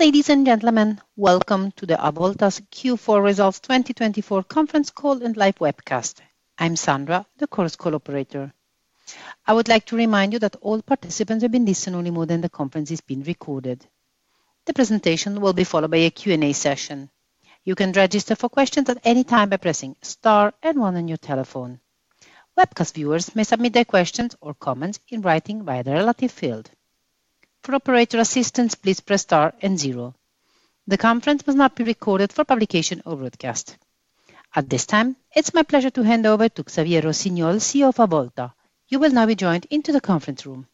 Ladies and gentlemen, welcome to the Avolta Q4 Results 2024 Conference Call and Live Webcast. I'm Sandra, the Chorus Call operator. I would like to remind you that all participants are in listen-only mode and the conference is being recorded. The presentation will be followed by a Q&A session. You can register for questions at any time by pressing star and one on your telephone. Webcast viewers may submit their questions or comments in writing via the relevant field. For operator assistance, please press star and zero. The conference must not be recorded for publication or broadcast. At this time, it's my pleasure to hand over to Xavier Rossinyol, CEO of Avolta. You will now be joined into the conference room.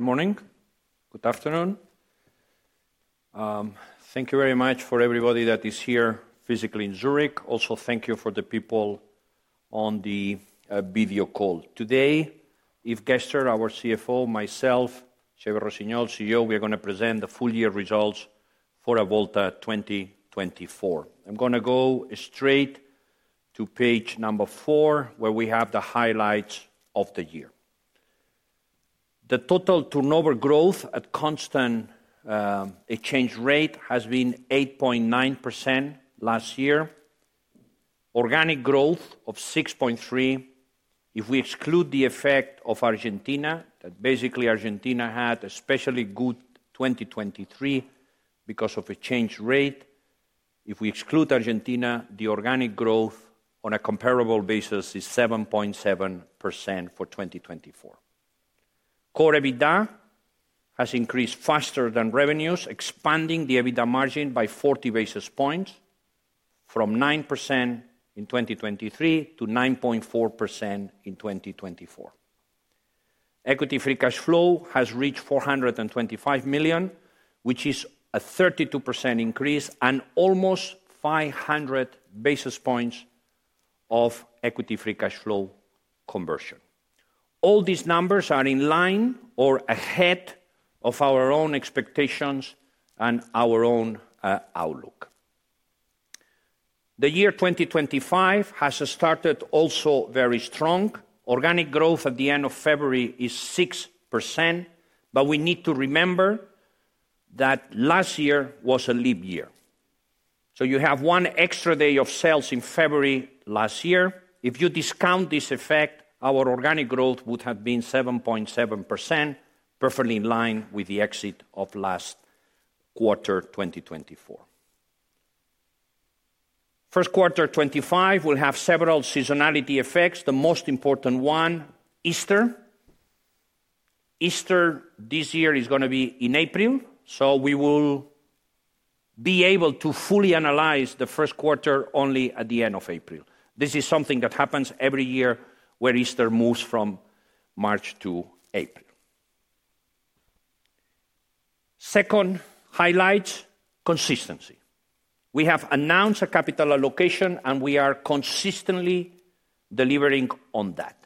Good morning. Good afternoon. Thank you very much for everybody that is here physically in Zurich. Also, thank you for the people on the video call. Today, Yves Gerster, our CFO, myself, Xavier Rossinyol, CEO, we are going to present the full year results for Avolta 2024. I'm going to go straight to page number four, where we have the highlights of the year. The total turnover growth at constant exchange rate has been 8.9% last year. Organic growth of 6.3%. If we exclude the effect of Argentina, that basically Argentina had a especially good 2023 because of exchange rate. If we exclude Argentina, the organic growth on a comparable basis is 7.7% for 2024. Core EBITDA has increased faster than revenues, expanding the EBITDA margin by 40 basis points from 9% in 2023 to 9.4% in 2024. Equity Free Cash Flow has reached 425 million, which is a 32% increase and almost 500 basis points of Equity Free Cash Flow conversion. All these numbers are in line or ahead of our own expectations and our own outlook. The year 2025 has started also very strong. Organic growth at the end of February is 6%, but we need to remember that last year was a leap year. You have one extra day of sales in February last year. If you discount this effect, our organic growth would have been 7.7%, perfectly in line with the exit of last quarter 2024. First quarter 2025 will have several seasonality effects. The most important one, Easter. Easter this year is going to be in April, so we will be able to fully analyze the first quarter only at the end of April. This is something that happens every year where Easter moves from March to April. Second highlight, consistency. We have announced a capital allocation and we are consistently delivering on that.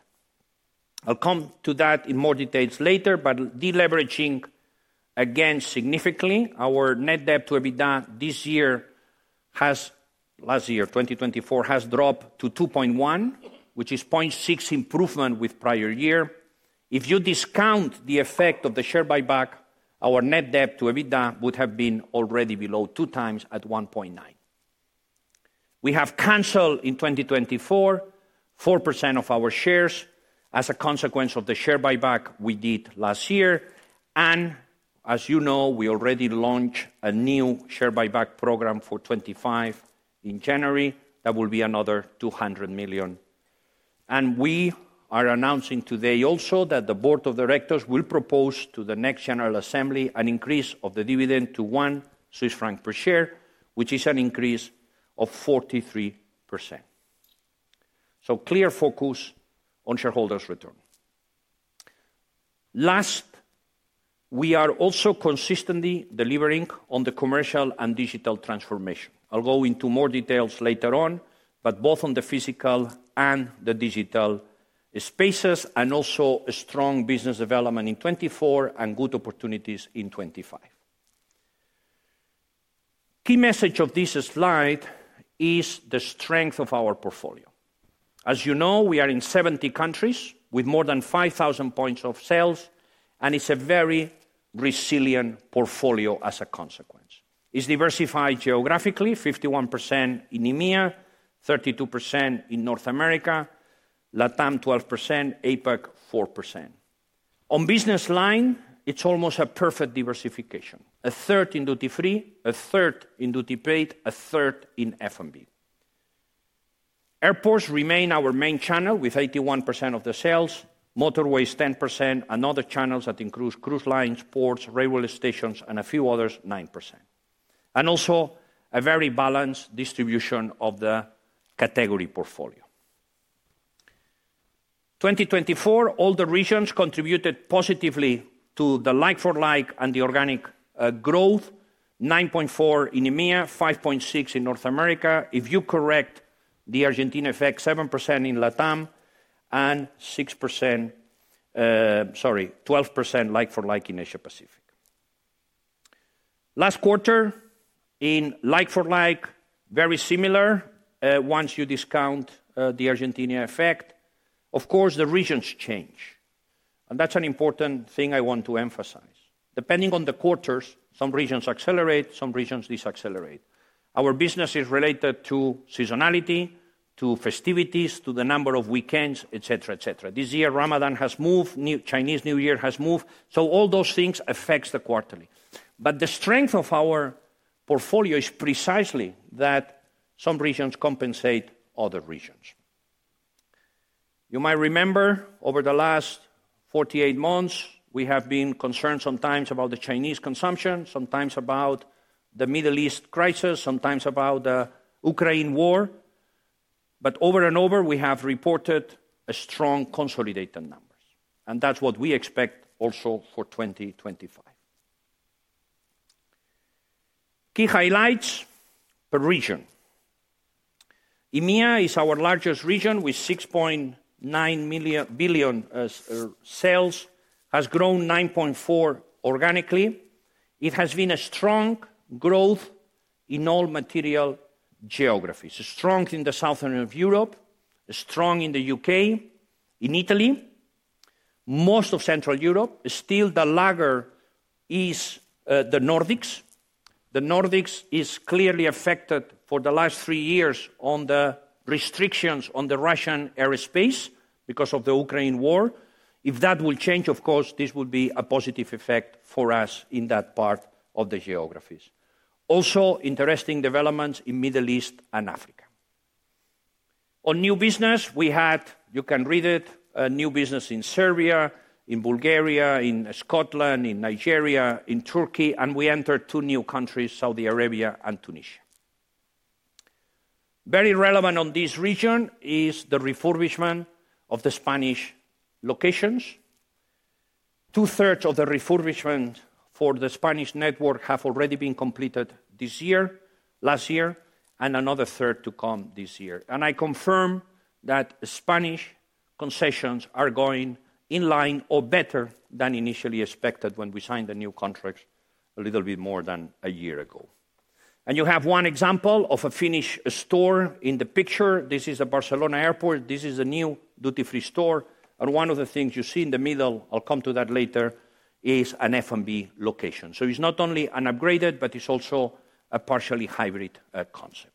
I'll come to that in more details later, but deleveraging again significantly. Our net debt to EBITDA this year has, last year 2024, has dropped to 2.1, which is a 0.6 improvement with prior year. If you discount the effect of the share buyback, our net debt to EBITDA would have been already below two times at 1.9. We have canceled in 2024 4% of our shares as a consequence of the share buyback we did last year. As you know, we already launched a new share buyback program for 2025 in January. That will be another 200 million. We are announcing today also that the board of directors will propose to the next general assembly an increase of the dividend to 1 Swiss franc per share, which is an increase of 43%. Clear focus on shareholders' return. Last, we are also consistently delivering on the commercial and digital transformation. I'll go into more details later on, but both on the physical and the digital spaces and also strong business development in 2024 and good opportunities in 2025. Key message of this slide is the strength of our portfolio. As you know, we are in 70 countries with more than 5,000 points of sales, and it's a very resilient portfolio as a consequence. It's diversified geographically, 51% in EMEA, 32% in North America, LATAM 12%, APAC 4%. On business line, it's almost a perfect diversification, a third in duty free, a third in duty-paid, a third in F&B. Airports remain our main channel with 81% of the sales, motorways 10%, and other channels that include cruise lines, ports, railway stations, and a few others, 9%. Also a very balanced distribution of the category portfolio. In 2024, all the regions contributed positively to the like-for-like and the organic growth, 9.4% in EMEA, 5.6% in North America. If you correct the Argentina effect, 7% in LATAM and 12% like-for-like in Asia Pacific. Last quarter in like-for-like, very similar once you discount the Argentina effect. Of course, the regions change, and that's an important thing I want to emphasize. Depending on the quarters, some regions accelerate, some regions decelerate. Our business is related to seasonality, to festivities, to the number of weekends, et cetera, et cetera. This year, Ramadan has moved, Chinese New Year has moved, so all those things affect the quarterly. The strength of our portfolio is precisely that some regions compensate other regions. You might remember over the last 48 months, we have been concerned sometimes about the Chinese consumption, sometimes about the Middle East crisis, sometimes about the Ukraine war, but over and over, we have reported strong consolidated numbers, and that's what we expect also for 2025. Key highlights per region. EMEA is our largest region with 6.9 billion sales, has grown 9.4% organically. It has been a strong growth in all material geographies, strong in the south of Europe, strong in the U.K., in Italy, most of Central Europe. Still, the laggard is the Nordics. The Nordics is clearly affected for the last three years on the restrictions on the Russian airspace because of the Ukraine war. If that will change, of course, this will be a positive effect for us in that part of the geographies. Also, interesting developments in the Middle East and Africa. On new business, we had, you can read it, new business in Serbia, in Bulgaria, in Scotland, in Nigeria, in Turkey, and we entered two new countries, Saudi Arabia and Tunisia. Very relevant on this region is the refurbishment of the Spanish locations. Two-thirds of the refurbishment for the Spanish network have already been completed last year, and another third to come this year. I confirm that Spanish concessions are going in line or better than initially expected when we signed the new contracts a little bit more than a year ago. You have one example of a finished store in the picture. This is Barcelona Airport. This is a new Duty Free store. One of the things you see in the middle, I'll come to that later, is an F&B location. It is not only an upgraded, but it is also a partially hybrid concept.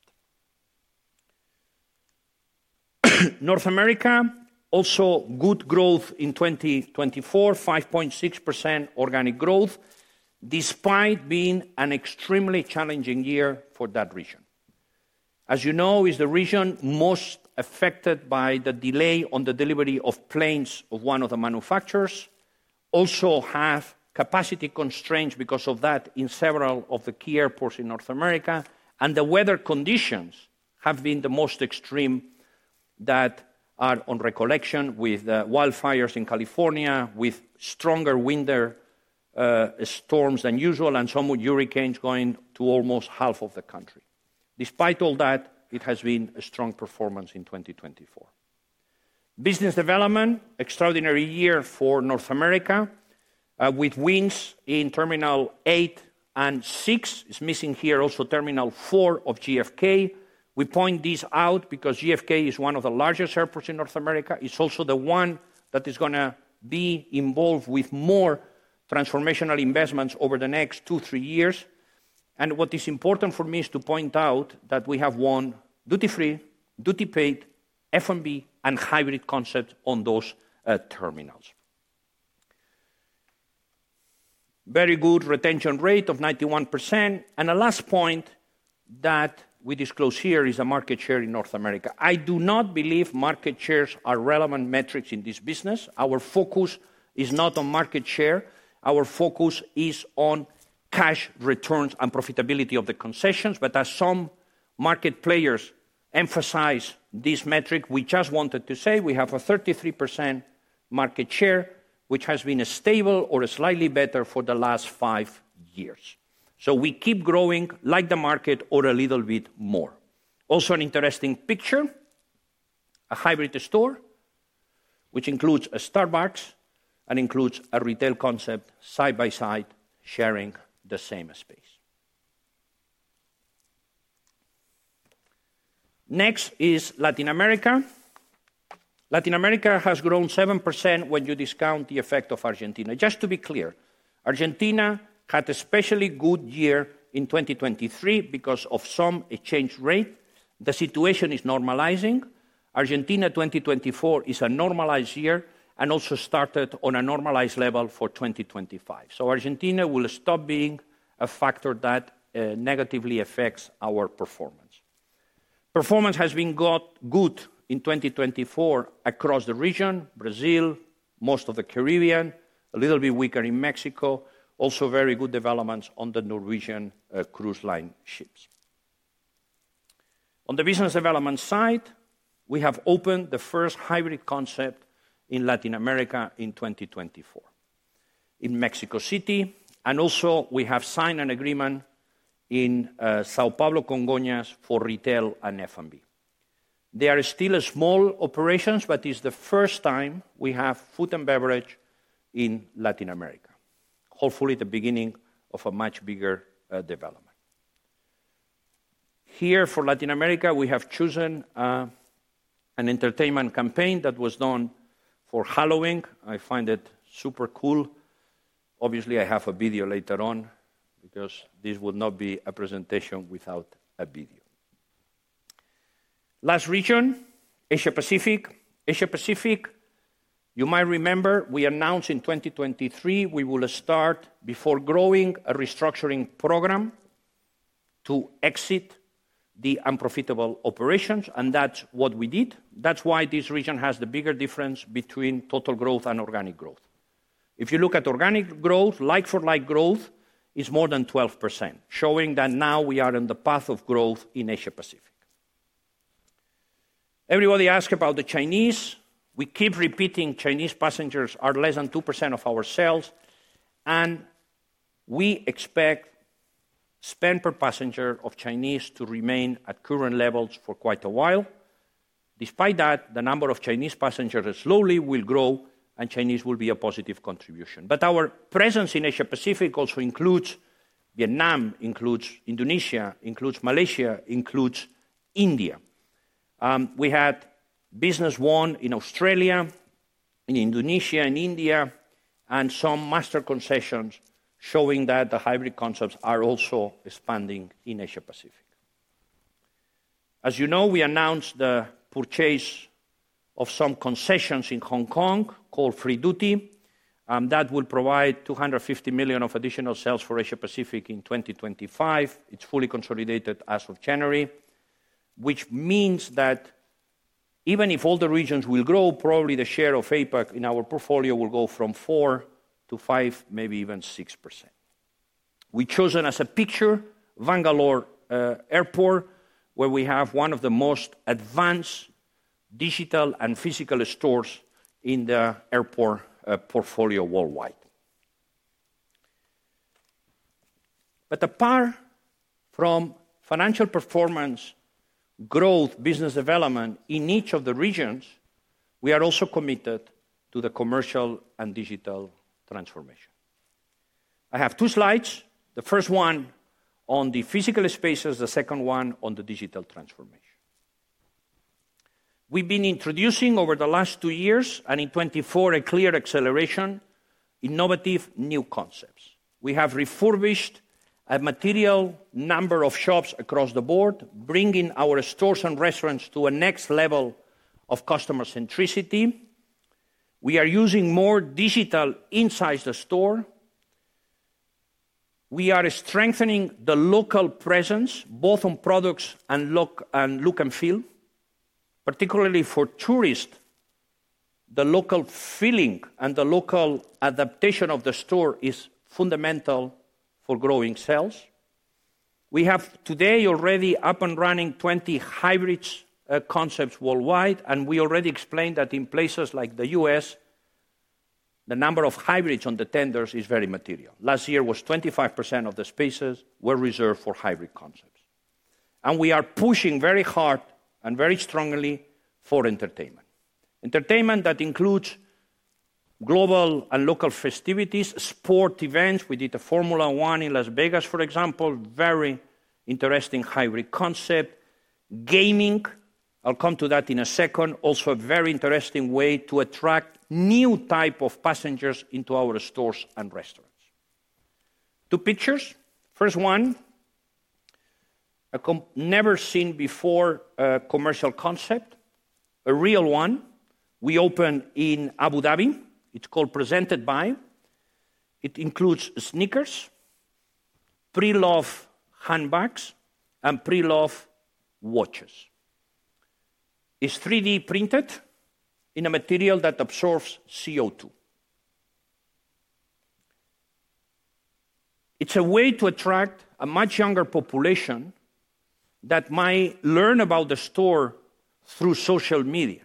North America, also good growth in 2024, 5.6% organic growth despite being an extremely challenging year for that region. As you know, it is the region most affected by the delay on the delivery of planes of one of the manufacturers. There are also capacity constraints because of that in several of the key airports in North America. The weather conditions have been the most extreme that are on recollection with wildfires in California, with stronger winter storms than usual, and some hurricanes going to almost half of the country. Despite all that, it has been a strong performance in 2024. Business development, extraordinary year for North America with wins in Terminal 8 and t's missing here also Terminal 4 of JFK. We point this out because JFK is one of the largest airports in North America. It's also the one that is going to be involved with more transformational investments over the next two, three years. What is important for me is to point out that we have won Duty Free, Duty Paid, F&B, and hybrid concepts on those terminals. Very good retention rate of 91%. A last point that we disclose here is the market share in North America. I do not believe market shares are relevant metrics in this business. Our focus is not on market share. Our focus is on cash returns and profitability of the concessions. As some market players emphasize this metric, we just wanted to say we have a 33% market share, which has been stable or slightly better for the last five years. We keep growing like the market or a little bit more. Also, an interesting picture, a hybrid store which includes a Starbucks and includes a retail concept side by side sharing the same space. Next is Latin America. Latin America has grown 7% when you discount the effect of Argentina. Just to be clear, Argentina had a especially good year in 2023 because of some exchange rate. The situation is normalizing. Argentina 2024 is a normalized year and also started on a normalized level for 2025. Argentina will stop being a factor that negatively affects our performance. Performance has been good in 2024 across the region, Brazil, most of the Caribbean, a little bit weaker in Mexico. Also very good developments on the Norwegian Cruise Line ships. On the business development side, we have opened the first hybrid concept in Latin America in 2024 in Mexico City. Also we have signed an agreement in São Paulo Congonhas for retail and F&B. They are still small operations, but it is the first time we have food and beverage in Latin America. Hopefully the beginning of a much bigger development. Here for Latin America, we have chosen an entertainment campaign that was done for Halloween. I find it super cool. Obviously, I have a video later on because this would not be a presentation without a video. Last region, Asia Pacific. Asia Pacific, you might remember we announced in 2023 we will start before growing a restructuring program to exit the unprofitable operations. That is what we did. That is why this region has the bigger difference between total growth and organic growth. If you look at organic growth, like-for-like growth is more than 12%, showing that now we are on the path of growth in Asia Pacific. Everybody asks about the Chinese. We keep repeating Chinese passengers are less than 2% of our sales. We expect spend per passenger of Chinese to remain at current levels for quite a while. Despite that, the number of Chinese passengers slowly will grow and Chinese will be a positive contribution. Our presence in Asia Pacific also includes Vietnam, includes Indonesia, includes Malaysia, includes India. We had business won in Australia, in Indonesia, in India, and some master concessions showing that the hybrid concepts are also expanding in Asia Pacific. As you know, we announced the purchase of some concessions in Hong Kong called Free Duty that will provide $250 million of additional sales for Asia Pacific in 2025. It's fully consolidated as of January, which means that even if all the regions will grow, probably the share of APAC in our portfolio will go from 4% to 5%, maybe even 6%. We chose as a picture Bangalore Airport where we have one of the most advanced digital and physical stores in the airport portfolio worldwide. Apart from financial performance, growth, business development in each of the regions, we are also committed to the commercial and digital transformation. I have two slides. The first one on the physical spaces, the second one on the digital transformation. We've been introducing over the last two years and in 2024 a clear acceleration, innovative new concepts. We have refurbished a material number of shops across the board, bringing our stores and restaurants to a next level of customer centricity. We are using more digital inside the store. We are strengthening the local presence both on products and look and feel. Particularly for tourists, the local feeling and the local adaptation of the store is fundamental for growing sales. We have today already up and running 20 hybrid concepts worldwide, and we already explained that in places like the U.S., the number of hybrids on the tenders is very material. Last year was 25% of the spaces were reserved for hybrid concepts. We are pushing very hard and very strongly for entertainment. Entertainment that includes global and local festivities, sport events. We did a Formula One in Las Vegas, for example, very interesting hybrid concept. Gaming, I'll come to that in a second, also a very interesting way to attract new types of passengers into our stores and restaurants. Two pictures. First one, a never seen before commercial concept, a real one. We opened in Abu Dhabi. It's called Presentedby. It includes sneakers, pre-loved handbags, and pre-loved watches. It's 3D printed in a material that absorbs CO2. It's a way to attract a much younger population that might learn about the store through social media.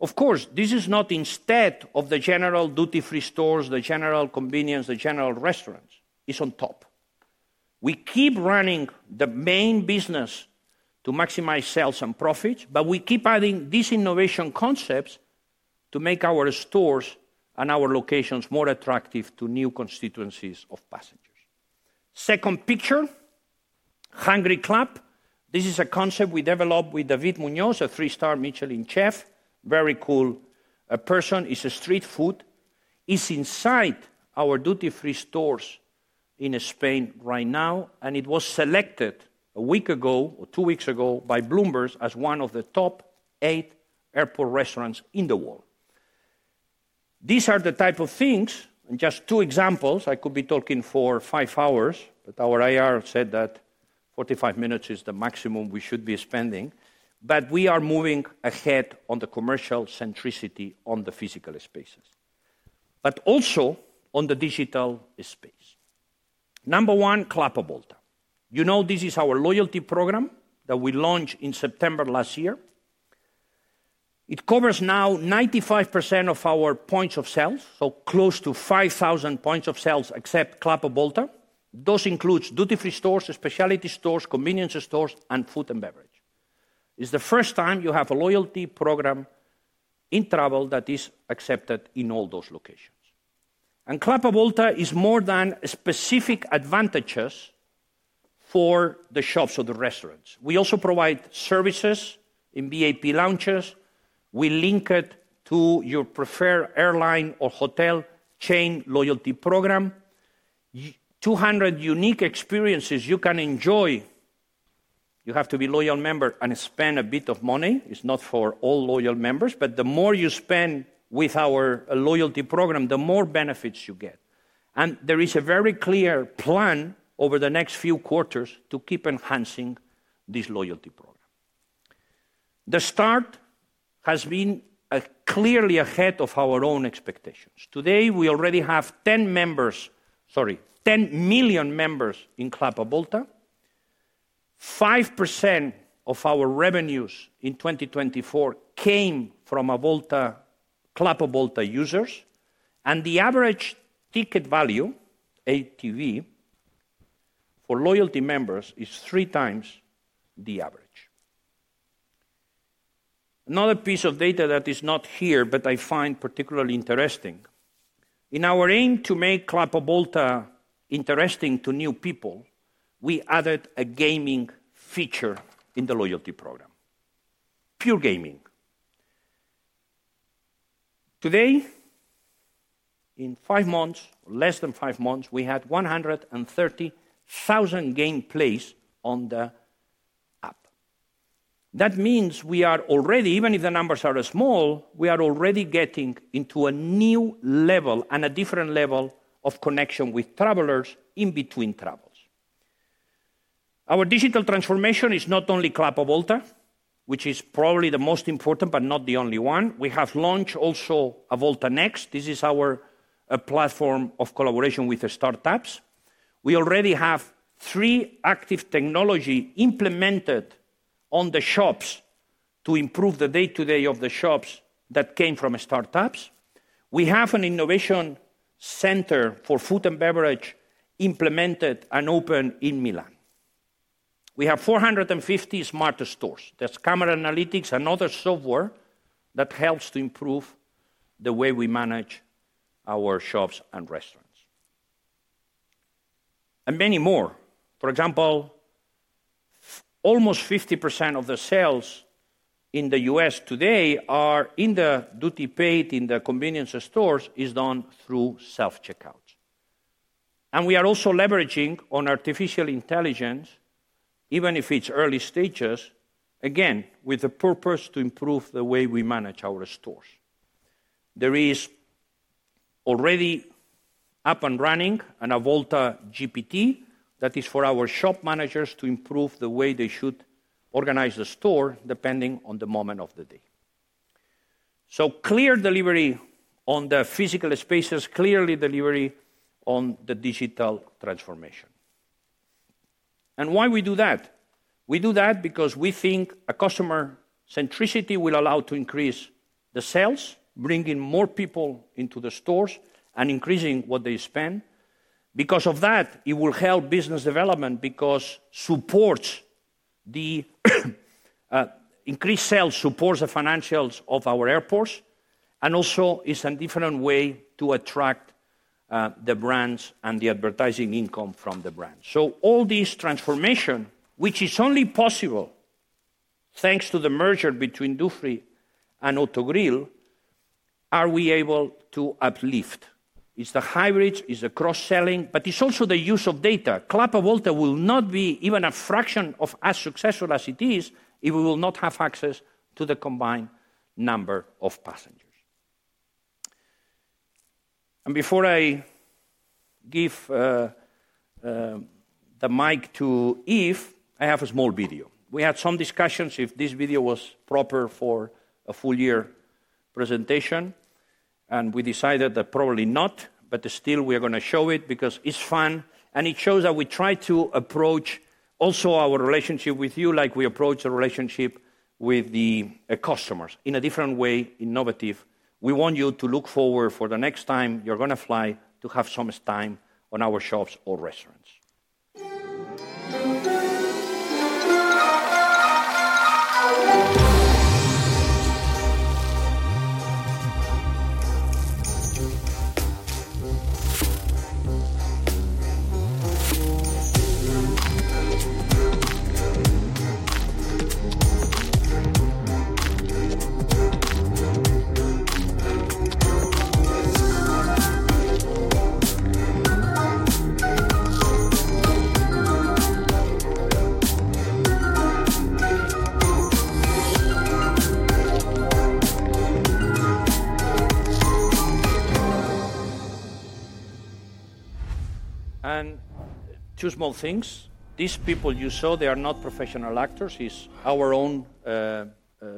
Of course, this is not instead of the general duty free stores, the general convenience, the general restaurants. It's on top. We keep running the main business to maximize sales and profits, but we keep adding these innovation concepts to make our stores and our locations more attractive to new constituencies of passengers. Second picture, Hungry Club. This is a concept we developed with David Muñoz, a three-star Michelin chef. Very cool person. It's a street food. It's inside our duty-free stores in Spain right now, and it was selected a week ago or two weeks ago by Bloomberg as one of the top eight airport restaurants in the world. These are the type of things, and just two examples. I could be talking for five hours, but our IR said that 45 minutes is the maximum we should be spending. We are moving ahead on the commercial centricity on the physical spaces, but also on the digital space. Number one, Club Avolta. You know this is our loyalty program that we launched in September last year. It covers now 95% of our points of sales, so close to 5,000 points of sales except Club Avolta. Those include duty-free stores, specialty stores, convenience stores, and food and beverage. It's the first time you have a loyalty program in travel that is accepted in all those locations. Club Avolta is more than specific advantages for the shops or the restaurants. We also provide services in VIP lounges. We link it to your preferred airline or hotel chain loyalty program. 200 unique experiences you can enjoy. You have to be a loyal member and spend a bit of money. It's not for all loyal members, but the more you spend with our loyalty program, the more benefits you get. There is a very clear plan over the next few quarters to keep enhancing this loyalty program. The start has been clearly ahead of our own expectations. Today, we already have 10 million members in Club Avolta. 5% of our revenues in 2024 came from Club Avolta users, and the average ticket value, ATV, for loyalty members is three times the average. Another piece of data that is not here, but I find particularly interesting. In our aim to make Club Avolta interesting to new people, we added a gaming feature in the loyalty program, pure gaming. Today, in less than five months, we had 130,000 gameplays on the app. That means we are already, even if the numbers are small, we are already getting into a new level and a different level of connection with travelers in between travels. Our digital transformation is not only Club Avolta, which is probably the most important, but not the only one. We have launched also Avolta Next. This is our platform of collaboration with startups. We already have three active technologies implemented on the shops to improve the day-to-day of the shops that came from startups. We have an innovation center for food and beverage implemented and opened in Milan. We have 450 smart stores. That's camera analytics and other software that helps to improve the way we manage our shops and restaurants. For example, almost 50% of the sales in the U.S. today are in the Duty Paid in the convenience stores is done through self-checkout. We are also leveraging artificial intelligence, even if it's early stages, again, with the purpose to improve the way we manage our stores. There is already up and running an Avolta GPT that is for our shop managers to improve the way they should organize the store depending on the moment of the day. Clear delivery on the physical spaces, clearly delivery on the digital transformation. Why we do that? We do that because we think customer centricity will allow to increase the sales, bringing more people into the stores and increasing what they spend. Because of that, it will help business development because supports the increased sales, supports the financials of our airports, and also is a different way to attract the brands and the advertising income from the brands. All this transformation, which is only possible thanks to the merger between Dufry and Autogrill, are we able to uplift? It's the hybrids, it's the cross-selling, but it's also the use of data. Club Avolta will not be even a fraction of as successful as it is if we will not have access to the combined number of passengers. Before I give the mic to Yves, I have a small video. We had some discussions if this video was proper for a full year presentation, and we decided that probably not, but still we are going to show it because it's fun and it shows that we try to approach also our relationship with you like we approach the relationship with the customers in a different way, innovative. We want you to look forward to the next time you're going to fly to have some time on our shops or restaurants. Two small things. These people you saw, they are not professional actors. It's our own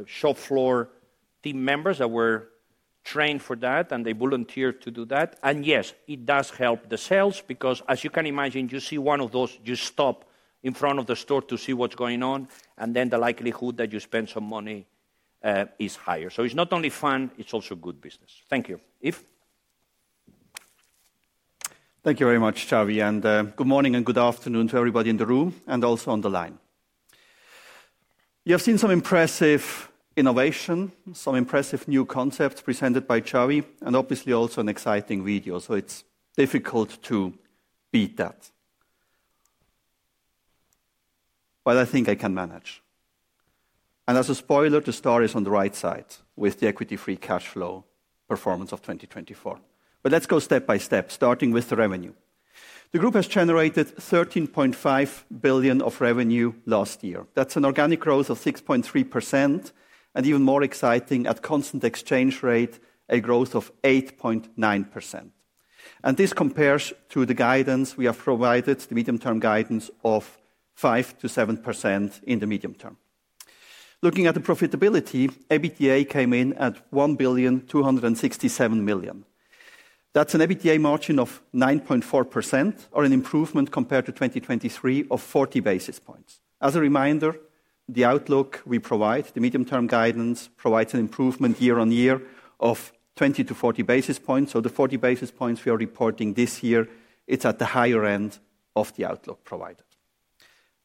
shop floor team members that were trained for that, and they volunteered to do that. Yes, it does help the sales because as you can imagine, you see one of those, you stop in front of the store to see what's going on, and then the likelihood that you spend some money is higher. It is not only fun, it is also good business. Thank you. Yves. Thank you very much, Xavier. Good morning and good afternoon to everybody in the room and also on the line. You have seen some impressive innovation, some impressive new concept presented by Xavier, and obviously also an exciting video. It is difficult to beat that, but I think I can manage. As a spoiler, the story is on the right side with the Equity Free Cash Flow performance of 2024. Let us go step by step, starting with the revenue. The group has generated 13.5 billion of revenue last year. That's an organic growth of 6.3% and even more exciting at constant exchange rate, a growth of 8.9%. This compares to the guidance we have provided, the medium-term guidance of 5% to 7% in the medium term. Looking at the profitability, EBITDA came in at 1,267 million. That's an EBITDA margin of 9.4% or an improvement compared to 2023 of 40 basis points. As a reminder, the outlook we provide, the medium-term guidance provides an improvement year on year of 20 to 40 basis points. The 40 basis points we are reporting this year, it's at the higher end of the outlook provided.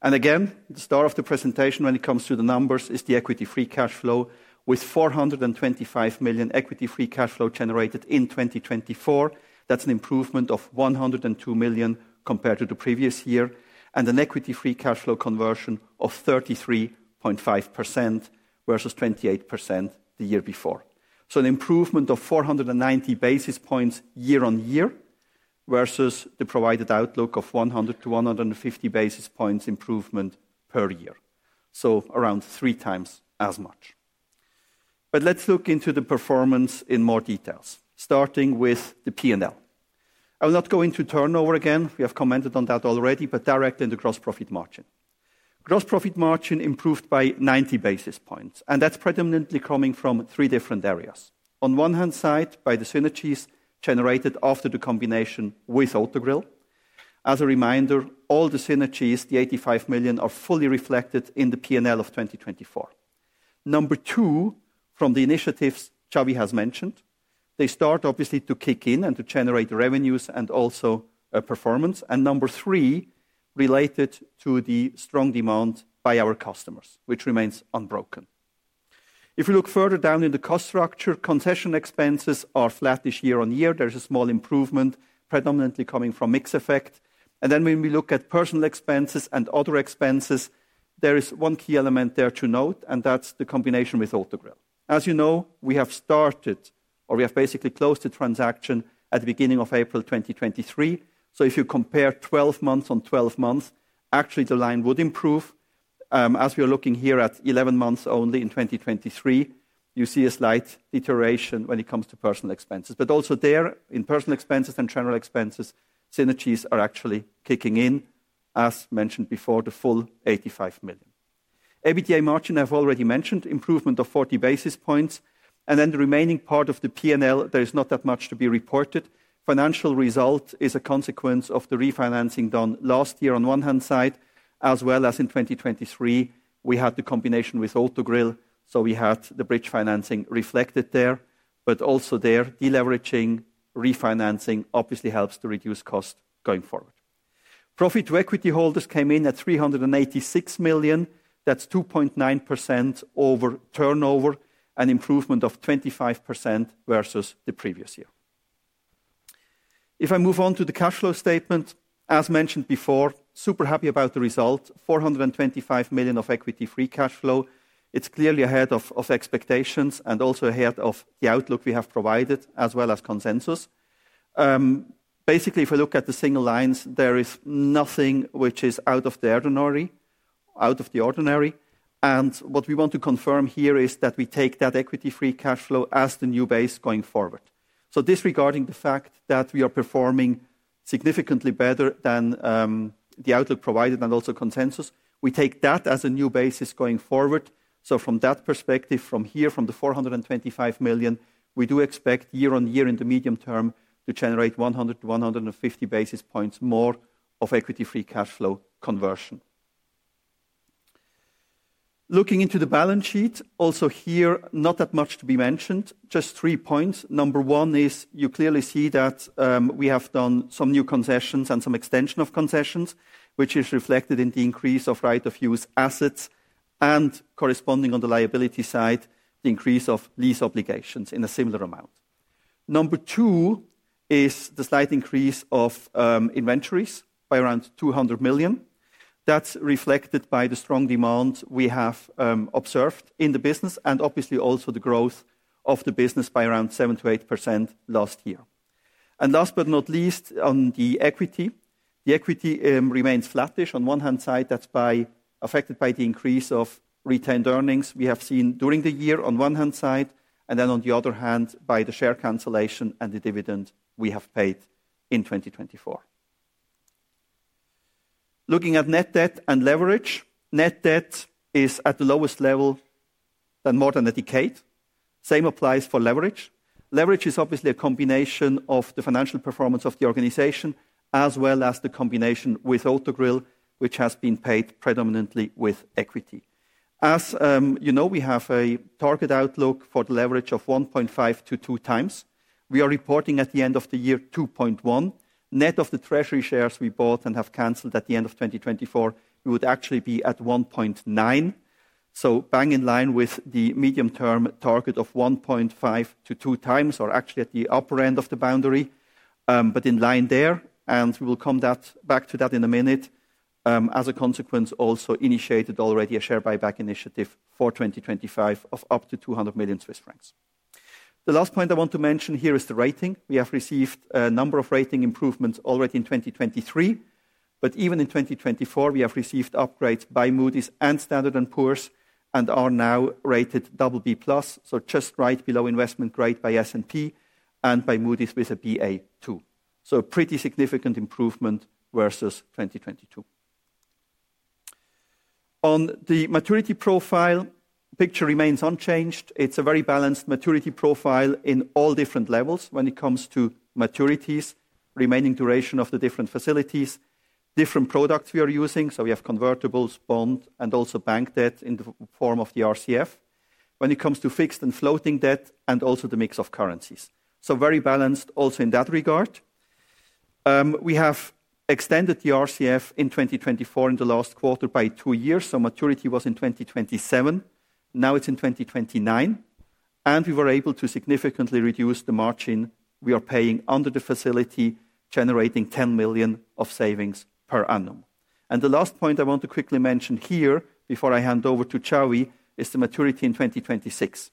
Again, the star of the presentation when it comes to the numbers is the Equity Free Cash Flow with 425 million Equity Free Cash Flow generated in 2024. That's an improvement of 102 million compared to the previous year and an Equity Free Cash Flow conversion of 33.5% versus 28% the year before. That is an improvement of 490 basis points year-on-year versus the provided outlook of 100 to 150 basis points improvement per year. That is around three times as much. Let's look into the performance in more details, starting with the P&L. I will not go into turnover again. We have commented on that already, but directly in the gross profit margin. Gross profit margin improved by 90 basis points, and that's predominantly coming from three different areas. On one hand side, by the synergies generated after the combination with Autogrill. As a reminder, all the synergies, the 85 million, are fully reflected in the P&L of 2024. Number two, from the initiatives Xavier has mentioned, they start obviously to kick in and to generate revenues and also performance. Number three, related to the strong demand by our customers, which remains unbroken. If we look further down in the cost structure, concession expenses are flat this year on year. There is a small improvement predominantly coming from mix effect. When we look at personnel expenses and other expenses, there is one key element there to note, and that is the combination with Autogrill. As you know, we have started or we have basically closed the transaction at the beginning of April 2023. If you compare 12 months on 12 months, actually the line would improve. As we are looking here at 11 months only in 2023, you see a slight iteration when it comes to personnel expenses. Also there in personal expenses and general expenses, synergies are actually kicking in, as mentioned before, the full 85 million. EBITDA margin I've already mentioned, improvement of 40 basis points. The remaining part of the P&L, there is not that much to be reported. Financial result is a consequence of the refinancing done last year on one hand side, as well as in 2023, we had the combination with Autogrill, so we had the bridge financing reflected there. Also there, deleveraging, refinancing obviously helps to reduce costs going forward. Profit to equity holders came in at 386 million. That's 2.9% over turnover and improvement of 25% versus the previous year. If I move on to the cash flow statement, as mentioned before, super happy about the result, 425 million of Equity Free Cash Flow. It's clearly ahead of expectations and also ahead of the outlook we have provided, as well as consensus. Basically, if we look at the single lines, there is nothing which is out of the ordinary, out of the ordinary. What we want to confirm here is that we take that Equity Free Cash Flow as the new base going forward. Disregarding the fact that we are performing significantly better than the outlook provided and also consensus, we take that as a new basis going forward. From that perspective, from here, from the 425 million, we do expect year on year in the medium term to generate 100 to150 basis points more of Equity Free Cash Flow conversion. Looking into the balance sheet, also here, not that much to be mentioned, just three points. Number one is you clearly see that we have done some new concessions and some extension of concessions, which is reflected in the increase of right of use assets and corresponding on the liability side, the increase of lease obligations in a similar amount. Number two is the slight increase of inventories by around 200 million. That's reflected by the strong demand we have observed in the business and obviously also the growth of the business by around 7% to 8% last year. Last but not least, on the equity, the equity remains flattish on one hand side. That's affected by the increase of retained earnings we have seen during the year on one hand side, and then on the other hand, by the share cancellation and the dividend we have paid in 2024. Looking at net debt and leverage, net debt is at the lowest level than more than a decade. Same applies for leverage. Leverage is obviously a combination of the financial performance of the organization as well as the combination with Autogrill, which has been paid predominantly with equity. As you know, we have a target outlook for the leverage of 1.5 to 2x. We are reporting at the end of the year 2.1. Net of the treasury shares we bought and have canceled at the end of 2024, we would actually be at 1.9. Bang in line with the medium-term target of 1.5-2 times or actually at the upper end of the boundary, but in line there. We will come back to that in a minute. As a consequence, also initiated already a share buyback initiative for 2025 of up to 200 million Swiss francs. The last point I want to mention here is the rating. We have received a number of rating improvements already in 2023, but even in 2024, we have received upgrades by Moody's and Standard and Poor's and are now rated BB+, just right below investment grade by S&P and by Moody's with a Ba2. Pretty significant improvement versus 2022. On the maturity profile, picture remains unchanged. It is a very balanced maturity profile in all different levels when it comes to maturities, remaining duration of the different facilities, different products we are using. We have convertibles, bond, and also bank debt in the form of the RCF when it comes to fixed and floating debt and also the mix of currencies. Very balanced also in that regard. We have extended the RCF in 2024 in the last quarter by two years. Maturity was in 2027. Now it's in 2029. We were able to significantly reduce the margin we are paying under the facility, generating 10 million of savings per annum. The last point I want to quickly mention here before I hand over to Xavier is the maturity in 2026.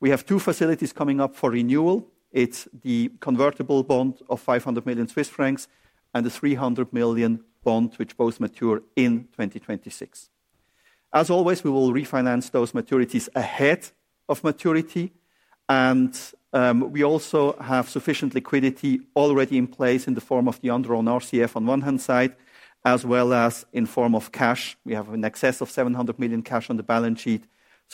We have two facilities coming up for renewal. It's the convertible bond of 500 million Swiss francs and the 300 million bond, which both mature in 2026. As always, we will refinance those maturities ahead of maturity. We also have sufficient liquidity already in place in the form of the undrawn RCF on one hand side, as well as in form of cash. We have an excess of 700 million cash on the balance sheet.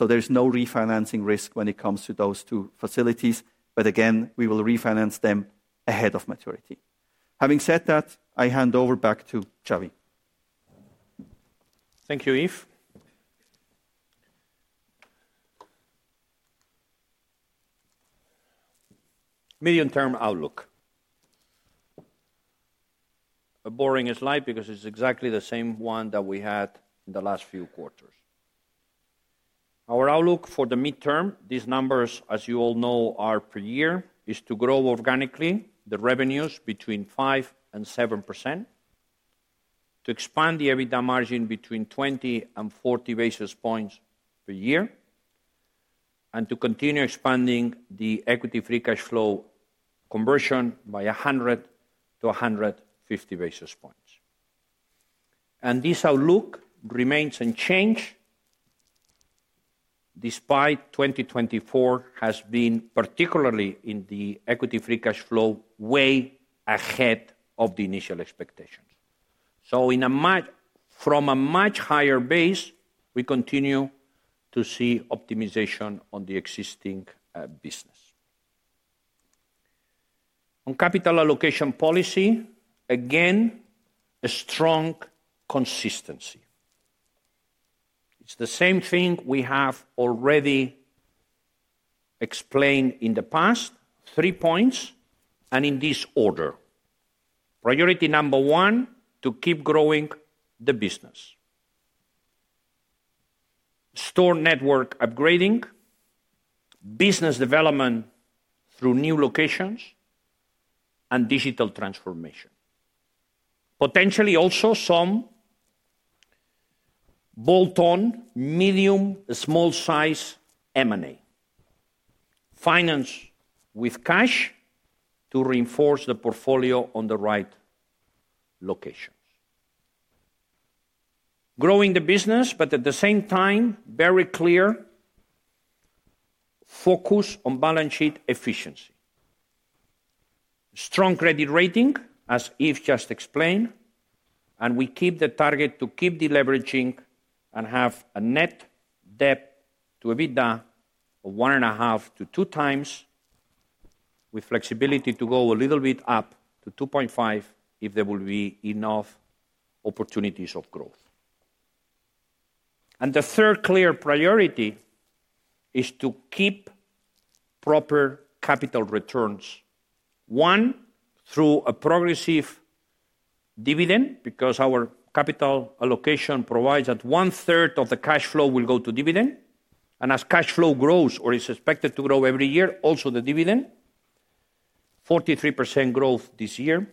There is no refinancing risk when it comes to those two facilities. Again, we will refinance them ahead of maturity. Having said that, I hand over back to Xavier. Thank you, Yves. Medium-term outlook. A boring slide because it's exactly the same one that we had in the last few quarters. Our outlook for the midterm, these numbers, as you all know, are per year, is to grow organically the revenues between 5% and 7%, to expand the EBITDA margin between 20 and 40 basis points per year, and to continue expanding the Equity Free Cash flow conversion by 100 to 150 basis points. This outlook remains unchanged despite 2024 has been particularly in the Equity Free Cash Flow way ahead of the initial expectations. From a much higher base, we continue to see optimization on the existing business. On capital allocation policy, again, a strong consistency. It's the same thing we have already explained in the past, three points, and in this order. Priority number one, to keep growing the business. Store network upgrading, business development through new locations, and digital transformation. Potentially also some bolt-on, medium, small-sized M&A. Finance with cash to reinforce the portfolio on the right locations. Growing the business, but at the same time, very clear focus on balance sheet efficiency. Strong credit rating, as Yves just explained, and we keep the target to keep deleveraging and have a net debt to EBITDA of 1.5 to 2x with flexibility to go a little bit up to 2.5 if there will be enough opportunities of growth. The third clear priority is to keep proper capital returns, one through a progressive dividend because our capital allocation provides that one-third of the cash flow will go to dividend. As cash flow grows or is expected to grow every year, also the dividend, 43% growth this year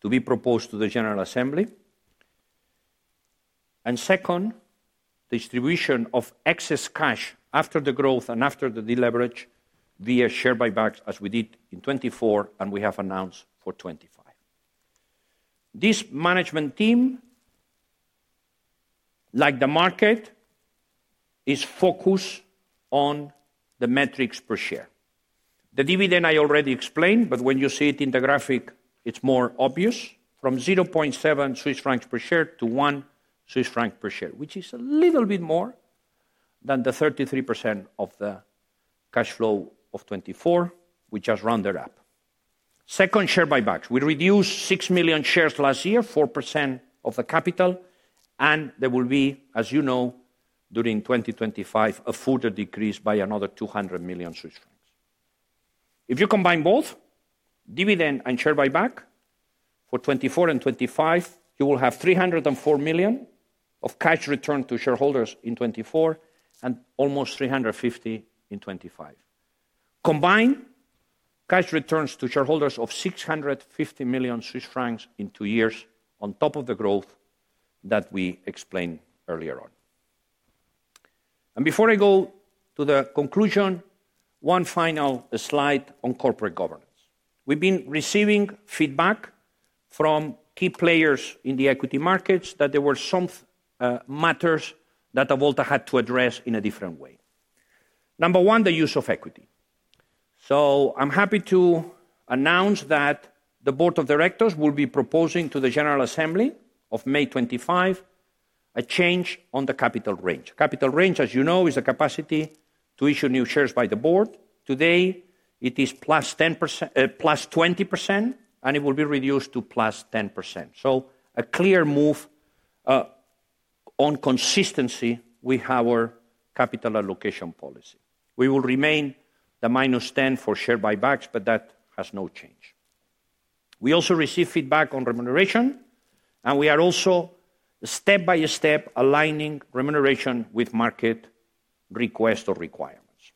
to be proposed to the General Assembly. Second, distribution of excess cash after the growth and after the deleverage via share buybacks as we did in 2024 and we have announced for 2025. This management team, like the market, is focused on the metrics per share. The dividend I already explained, but when you see it in the graphic, it is more obvious from 0.7 Swiss francs per share to 1 Swiss franc per share, which is a little bit more than the 33% of the cash flow of 2024, which has rounded up. Second, share buybacks. We reduced 6 million shares last year, 4% of the capital, and there will be, as you know, during 2025, a further decrease by another 200 million Swiss francs. If you combine both dividend and share buyback for 2024 and 2025, you will have 304 million of cash return to shareholders in 2024 and almost 350 million in 2025. Combine cash returns to shareholders of 650 million Swiss francs in two years on top of the growth that we explained earlier on. Before I go to the conclusion, one final slide on corporate governance. We have been receiving feedback from key players in the equity markets that there were some matters that Avolta had to address in a different way. Number one, the use of equity. I am happy to announce that the Board of Directors will be proposing to the General Assembly of May 2025 a change on the capital range. Capital range, as you know, is the capacity to issue new shares by the board. Today, it is +10%, +20%, and it will be reduced to +10%. A clear move on consistency with our capital allocation policy. We will remain the -10% for share buybacks, but that has no change. We also receive feedback on remuneration, and we are also step by step aligning remuneration with market request or requirements.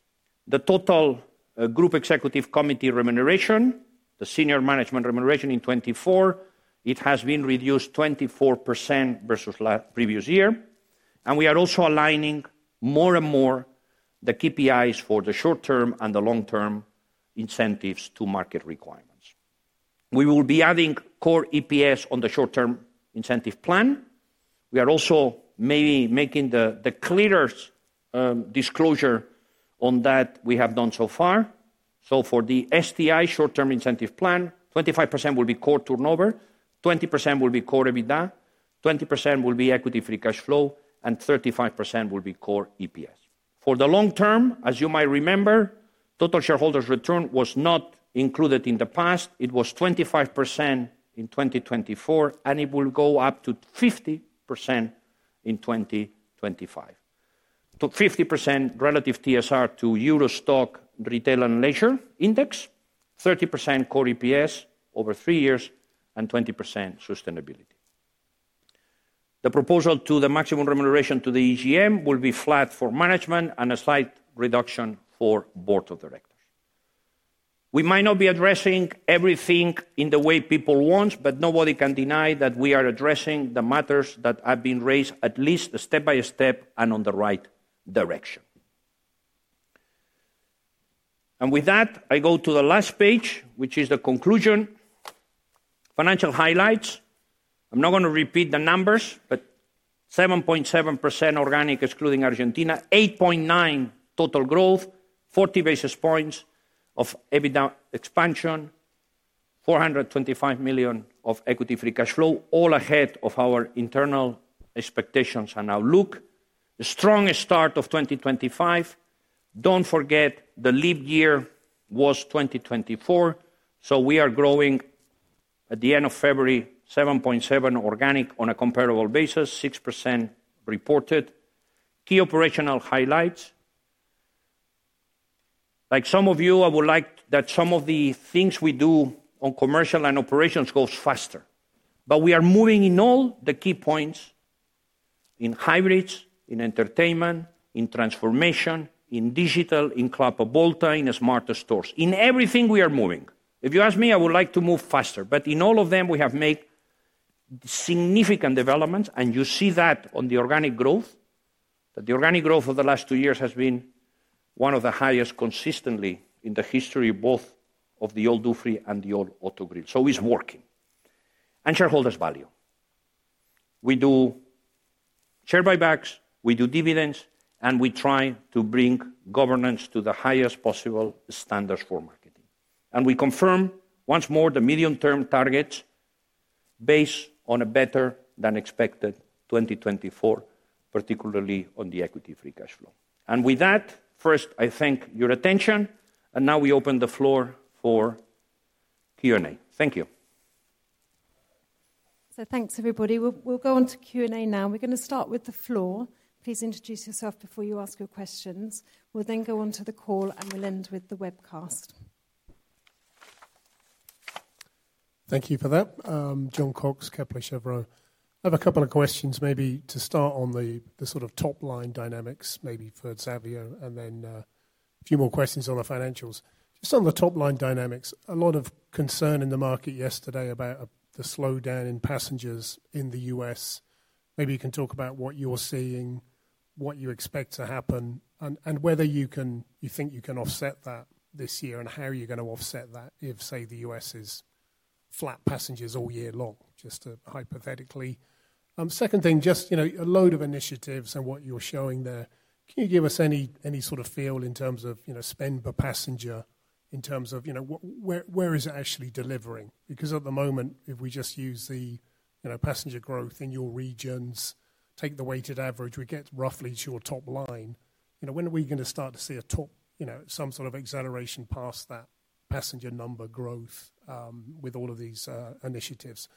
The total group executive committee remuneration, the senior management remuneration in 2024, it has been reduced 24% versus last previous year. We are also aligning more and more the KPIs for the short term and the long term incentives to market requirements. We will be adding core EPS on the short term incentive plan. We are also maybe making the clearest disclosure on that we have done so far. For the STI short term incentive plan, 25% will be core turnover, 20% will be core EBITDA, 20% will be Equity Free Cash Flow, and 35% will be core EPS. For the long term, as you might remember, total shareholder return was not included in the past. It was 25% in 2024, and it will go up to 50% in 2025. To 50% relative TSR to EURO STOXX Retail and Leisure Index, 30% core EPS over three years, and 20% sustainability. The proposal to the maximum remuneration to the EGM will be flat for management and a slight reduction for Board of Directors. We might not be addressing everything in the way people want, but nobody can deny that we are addressing the matters that have been raised at least step by step and in the right direction. With that, I go to the last page, which is the conclusion. Financial highlights. I am not going to repeat the numbers, but 7.7% organic excluding Argentina, 8.9% total growth, 40 basis points of EBITDA expansion, 425 million of Equity Free Cash Flow, all ahead of our internal expectations and outlook. The strongest start of 2025. Do not forget the leap year was 2024. We are growing at the end of February, 7.7% organic on a comparable basis, 6% reported. Key operational highlights. Like some of you, I would like that some of the things we do on commercial and operations go faster. We are moving in all the key points in hybrids, in entertainment, in transformation, in digital, in Club Avolta, in smart stores, in everything we are moving. If you ask me, I would like to move faster. In all of them, we have made significant developments, and you see that on the organic growth. The organic growth of the last two years has been one of the highest consistently in the history both of the old Dufry and the old Autogrill. It is working. And shareholders' value. We do share buybacks, we do dividends, and we try to bring governance to the highest possible standards for marketing. We confirm once more the medium-term targets based on a better than expected 2024, particularly on the Equity Free Cash Flow. With that, first, I thank your attention, and now we open the floor for Q&A. Thank you. Thanks, everybody. We'll go on to Q&A now. We're going to start with the floor. Please introduce yourself before you ask your questions. We'll then go on to the call and we'll end with the webcast. Thank you for that. Jon Cox, Kepler Cheuvreux. I have a couple of questions maybe to start on the sort of top line dynamics, maybe for Xavier, and then a few more questions on the financials. Just on the top line dynamics, a lot of concern in the market yesterday about the slowdown in passengers in the U.S. Maybe you can talk about what you're seeing, what you expect to happen, and whether you think you can offset that this year and how you're going to offset that if, say, the U.S. is flat passengers all year long, just hypothetically. Second thing, just a load of initiatives and what you're showing there. Can you give us any sort of feel in terms of spend per passenger in terms of where is it actually delivering? Because at the moment, if we just use the passenger growth in your regions, take the weighted average, we get roughly to your top line. When are we going to start to see a top, some sort of acceleration past that passenger number growth with all of these initiatives?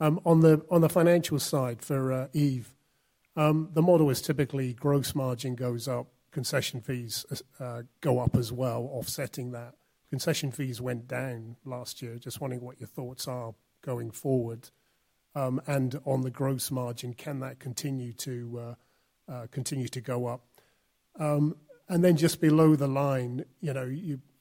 On the financial side for Yves, the model is typically gross margin goes up, concession fees go up as well, offsetting that. Concession fees went down last year. Just wondering what your thoughts are going forward. On the gross margin, can that continue to continue to go up? Then just below the line,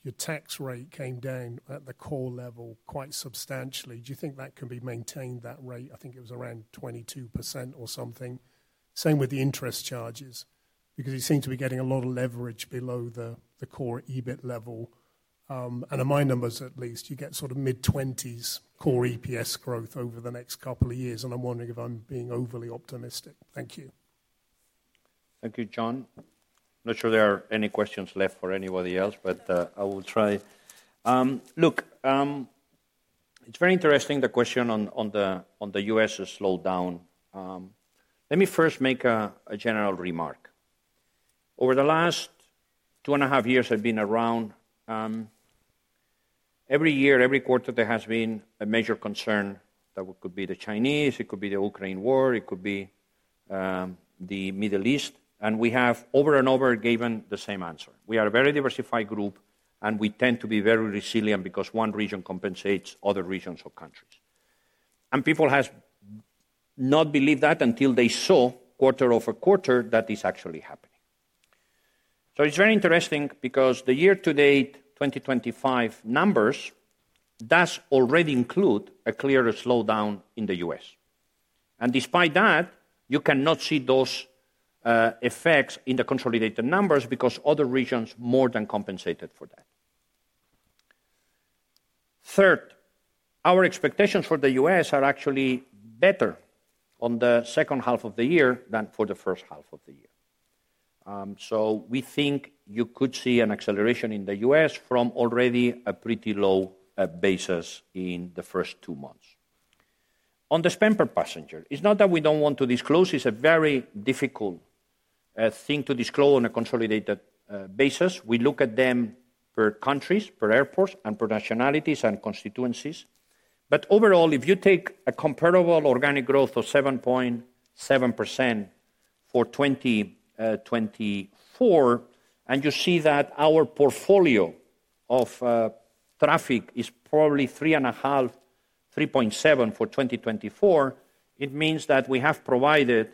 your tax rate came down at the core level quite substantially. Do you think that can be maintained, that rate? I think it was around 22% or something. Same with the interest charges because it seems to be getting a lot of leverage below the core EBIT level. In my numbers, at least, you get sort of mid-20s core EPS growth over the next couple of years. I'm wondering if I'm being overly optimistic. Thank you. Thank you, John. I'm not sure there are any questions left for anybody else, but I will try. Look, it's very interesting, the question on the U.S slowdown. Let me first make a general remark. Over the last two and a half years, I've been around. Every year, every quarter, there has been a major concern that could be the Chinese, it could be the Ukraine war, it could be the Middle East. We have over and over given the same answer. We are a very diversified group, and we tend to be very resilient because one region compensates other regions or countries. People have not believed that until they saw quarter over quarter that is actually happening. It is very interesting because the year-to-date 2025 numbers does already include a clearer slowdown in the U.S. Despite that, you cannot see those effects in the consolidated numbers because other regions more than compensated for that. Third, our expectations for the U.S. are actually better on the second half of the year than for the first half of the year. We think you could see an acceleration in the U.S. from already a pretty low basis in the first two months. On the spend per passenger, it's not that we don't want to disclose. It's a very difficult thing to disclose on a consolidated basis. We look at them per countries, per airports, and per nationalities and constituencies. Overall, if you take a comparable organic growth of 7.7% for 2024, and you see that our portfolio of traffic is probably 3.7% for 2024, it means that we have provided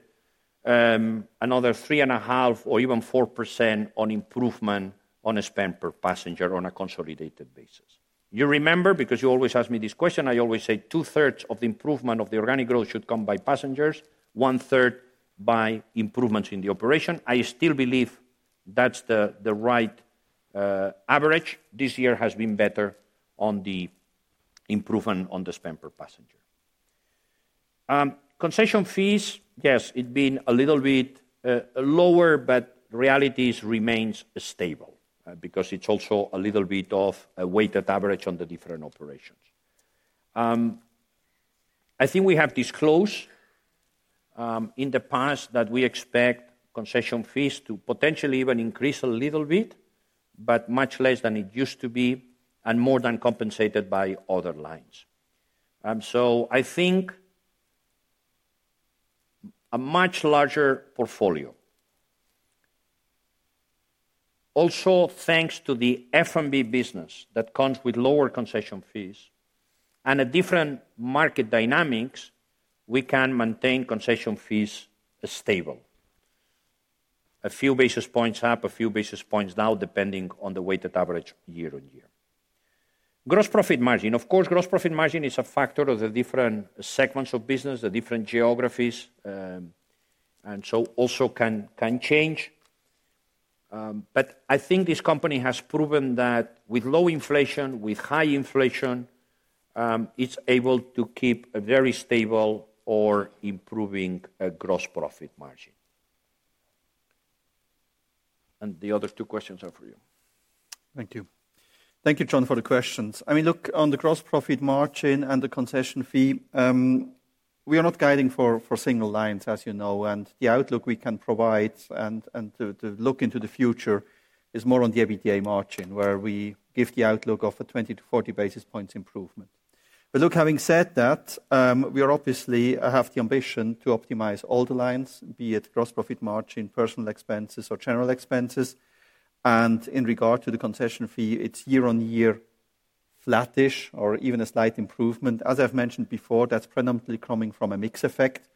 another 3.5% or even 4% on improvement on a spend per passenger on a consolidated basis. You remember, because you always ask me this question, I always say two-thirds of the improvement of the organic growth should come by passengers, one-third by improvements in the operation. I still believe that's the right average. This year has been better on the improvement on the spend per passenger. Concession fees, yes, it's been a little bit lower, but reality remains stable because it's also a little bit of a weighted average on the different operations. I think we have disclosed in the past that we expect concession fees to potentially even increase a little bit, but much less than it used to be and more than compensated by other lines. I think a much larger portfolio. Also, thanks to the F&B business that comes with lower concession fees and different market dynamics, we can maintain concession fees stable. A few basis points up, a few basis points down, depending on the weighted average year-on-year. Gross profit margin. Of course, gross profit margin is a factor of the different segments of business, the different geographies, and also can change. I think this company has proven that with low inflation, with high inflation, it's able to keep a very stable or improving gross profit margin. The other two questions are for you. Thank you. Thank you, John, for the questions. I mean, look, on the gross profit margin and the concession fee, we are not guiding for single lines, as you know. The outlook we can provide and to look into the future is more on the EBITDA margin, where we give the outlook of a 20 to 40 basis points improvement. Look, having said that, we obviously have the ambition to optimize all the lines, be it gross profit margin, personal expenses, or general expenses. In regard to the concession fee, it is year on year flattish or even a slight improvement. As I have mentioned before, that is predominantly coming from a mix effect.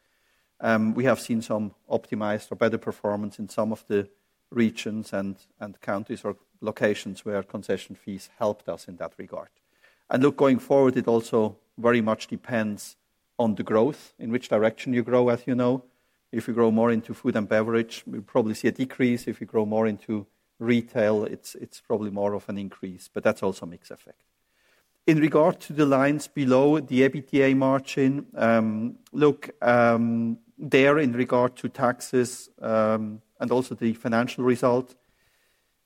We have seen some optimized or better performance in some of the regions and countries or locations where concession fees helped us in that regard. Look, going forward, it also very much depends on the growth, in which direction you grow, as you know. If you grow more into food and beverage, we'll probably see a decrease. If you grow more into retail, it's probably more of an increase, but that's also a mixed effect. In regard to the lines below the EBITDA margin, look, there in regard to taxes and also the financial result,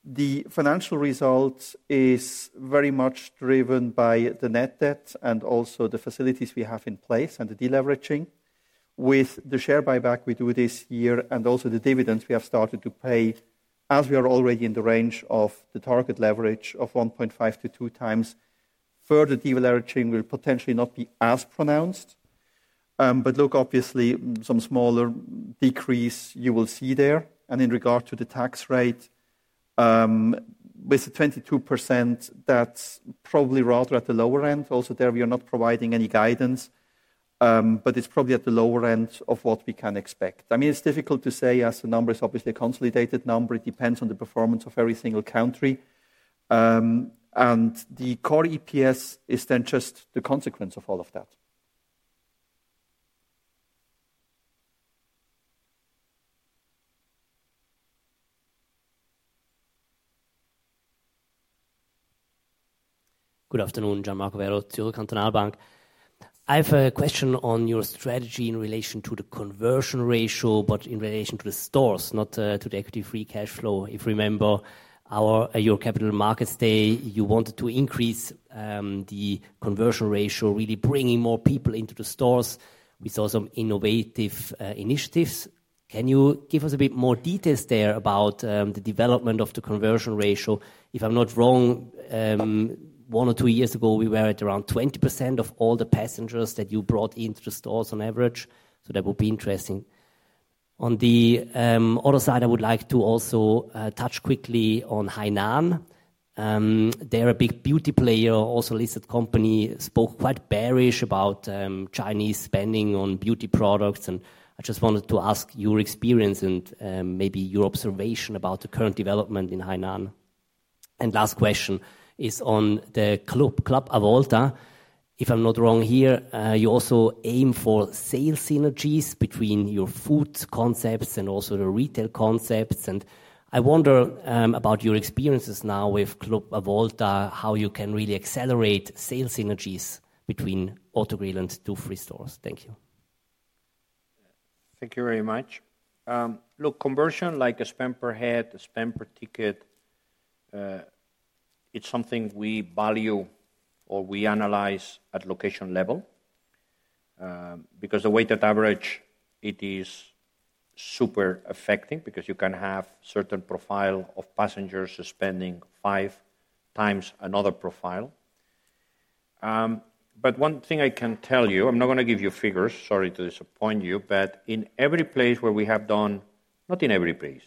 the financial result is very much driven by the net debt and also the facilities we have in place and the deleveraging. With the share buyback we do this year and also the dividends we have started to pay, as we are already in the range of the target leverage of 1.5 to 2x, further deleveraging will potentially not be as pronounced. Obviously, some smaller decrease you will see there. In regard to the tax rate, with the 22%, that's probably rather at the lower end. Also, there we are not providing any guidance, but it's probably at the lower end of what we can expect. I mean, it's difficult to say as the number is obviously a consolidated number. It depends on the performance of every single country. The core EPS is then just the consequence of all of that. Good afternoon, Gian Marco Werro, Zürcher Kantonalbank. I have a question on your strategy in relation to the conversion ratio, but in relation to the stores, not to the Equity Free Cash Flow. If you remember your capital markets day, you wanted to increase the conversion ratio, really bringing more people into the stores. We saw some innovative initiatives. Can you give us a bit more details there about the development of the conversion ratio? If I'm not wrong, one or two years ago, we were at around 20% of all the passengers that you brought into the stores on average. That would be interesting. On the other side, I would like to also touch quickly on Hainan. They're a big beauty player, also a listed company, spoke quite bearish about Chinese spending on beauty products. I just wanted to ask your experience and maybe your observation about the current development in Hainan. Last question is on the Club Avolta. If I'm not wrong here, you also aim for sales synergies between your food concepts and also the retail concepts. I wonder about your experiences now with Club Avolta, how you can really accelerate sales synergies between Autogrill and Dufry stores. Thank you. Thank you very much. Look, conversion like a spend per head, a spend per ticket, it's something we value or we analyze at location level because the weighted average, it is super effective because you can have a certain profile of passengers spending five times another profile. One thing I can tell you, I'm not going to give you figures, sorry to disappoint you, but in every place where we have done, not in every place,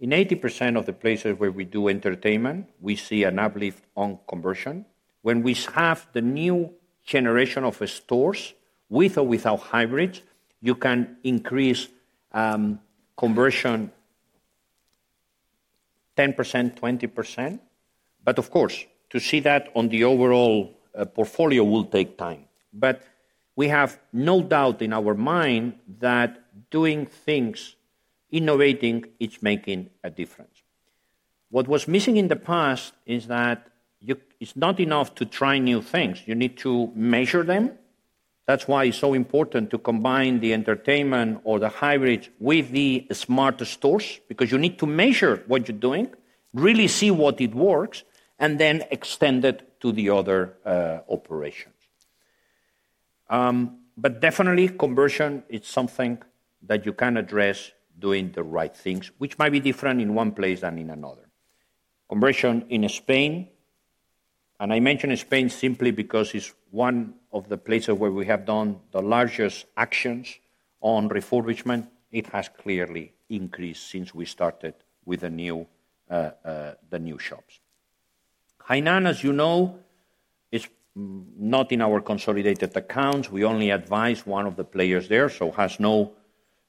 in 80% of the places where we do entertainment, we see an uplift on conversion. When we have the new generation of stores, with or without hybrids, you can increase conversion 10% to 20%. Of course, to see that on the overall portfolio will take time. We have no doubt in our mind that doing things, innovating, it's making a difference. What was missing in the past is that it's not enough to try new things. You need to measure them. That's why it's so important to combine the entertainment or the hybrids with the smart stores because you need to measure what you're doing, really see what works, and then extend it to the other operations. Definitely, conversion is something that you can address doing the right things, which might be different in one place than in another. Conversion in Spain, and I mentioned Spain simply because it's one of the places where we have done the largest actions on refurbishment, it has clearly increased since we started with the new shops. Hainan, as you know, is not in our consolidated accounts. We only advise one of the players there, so it has no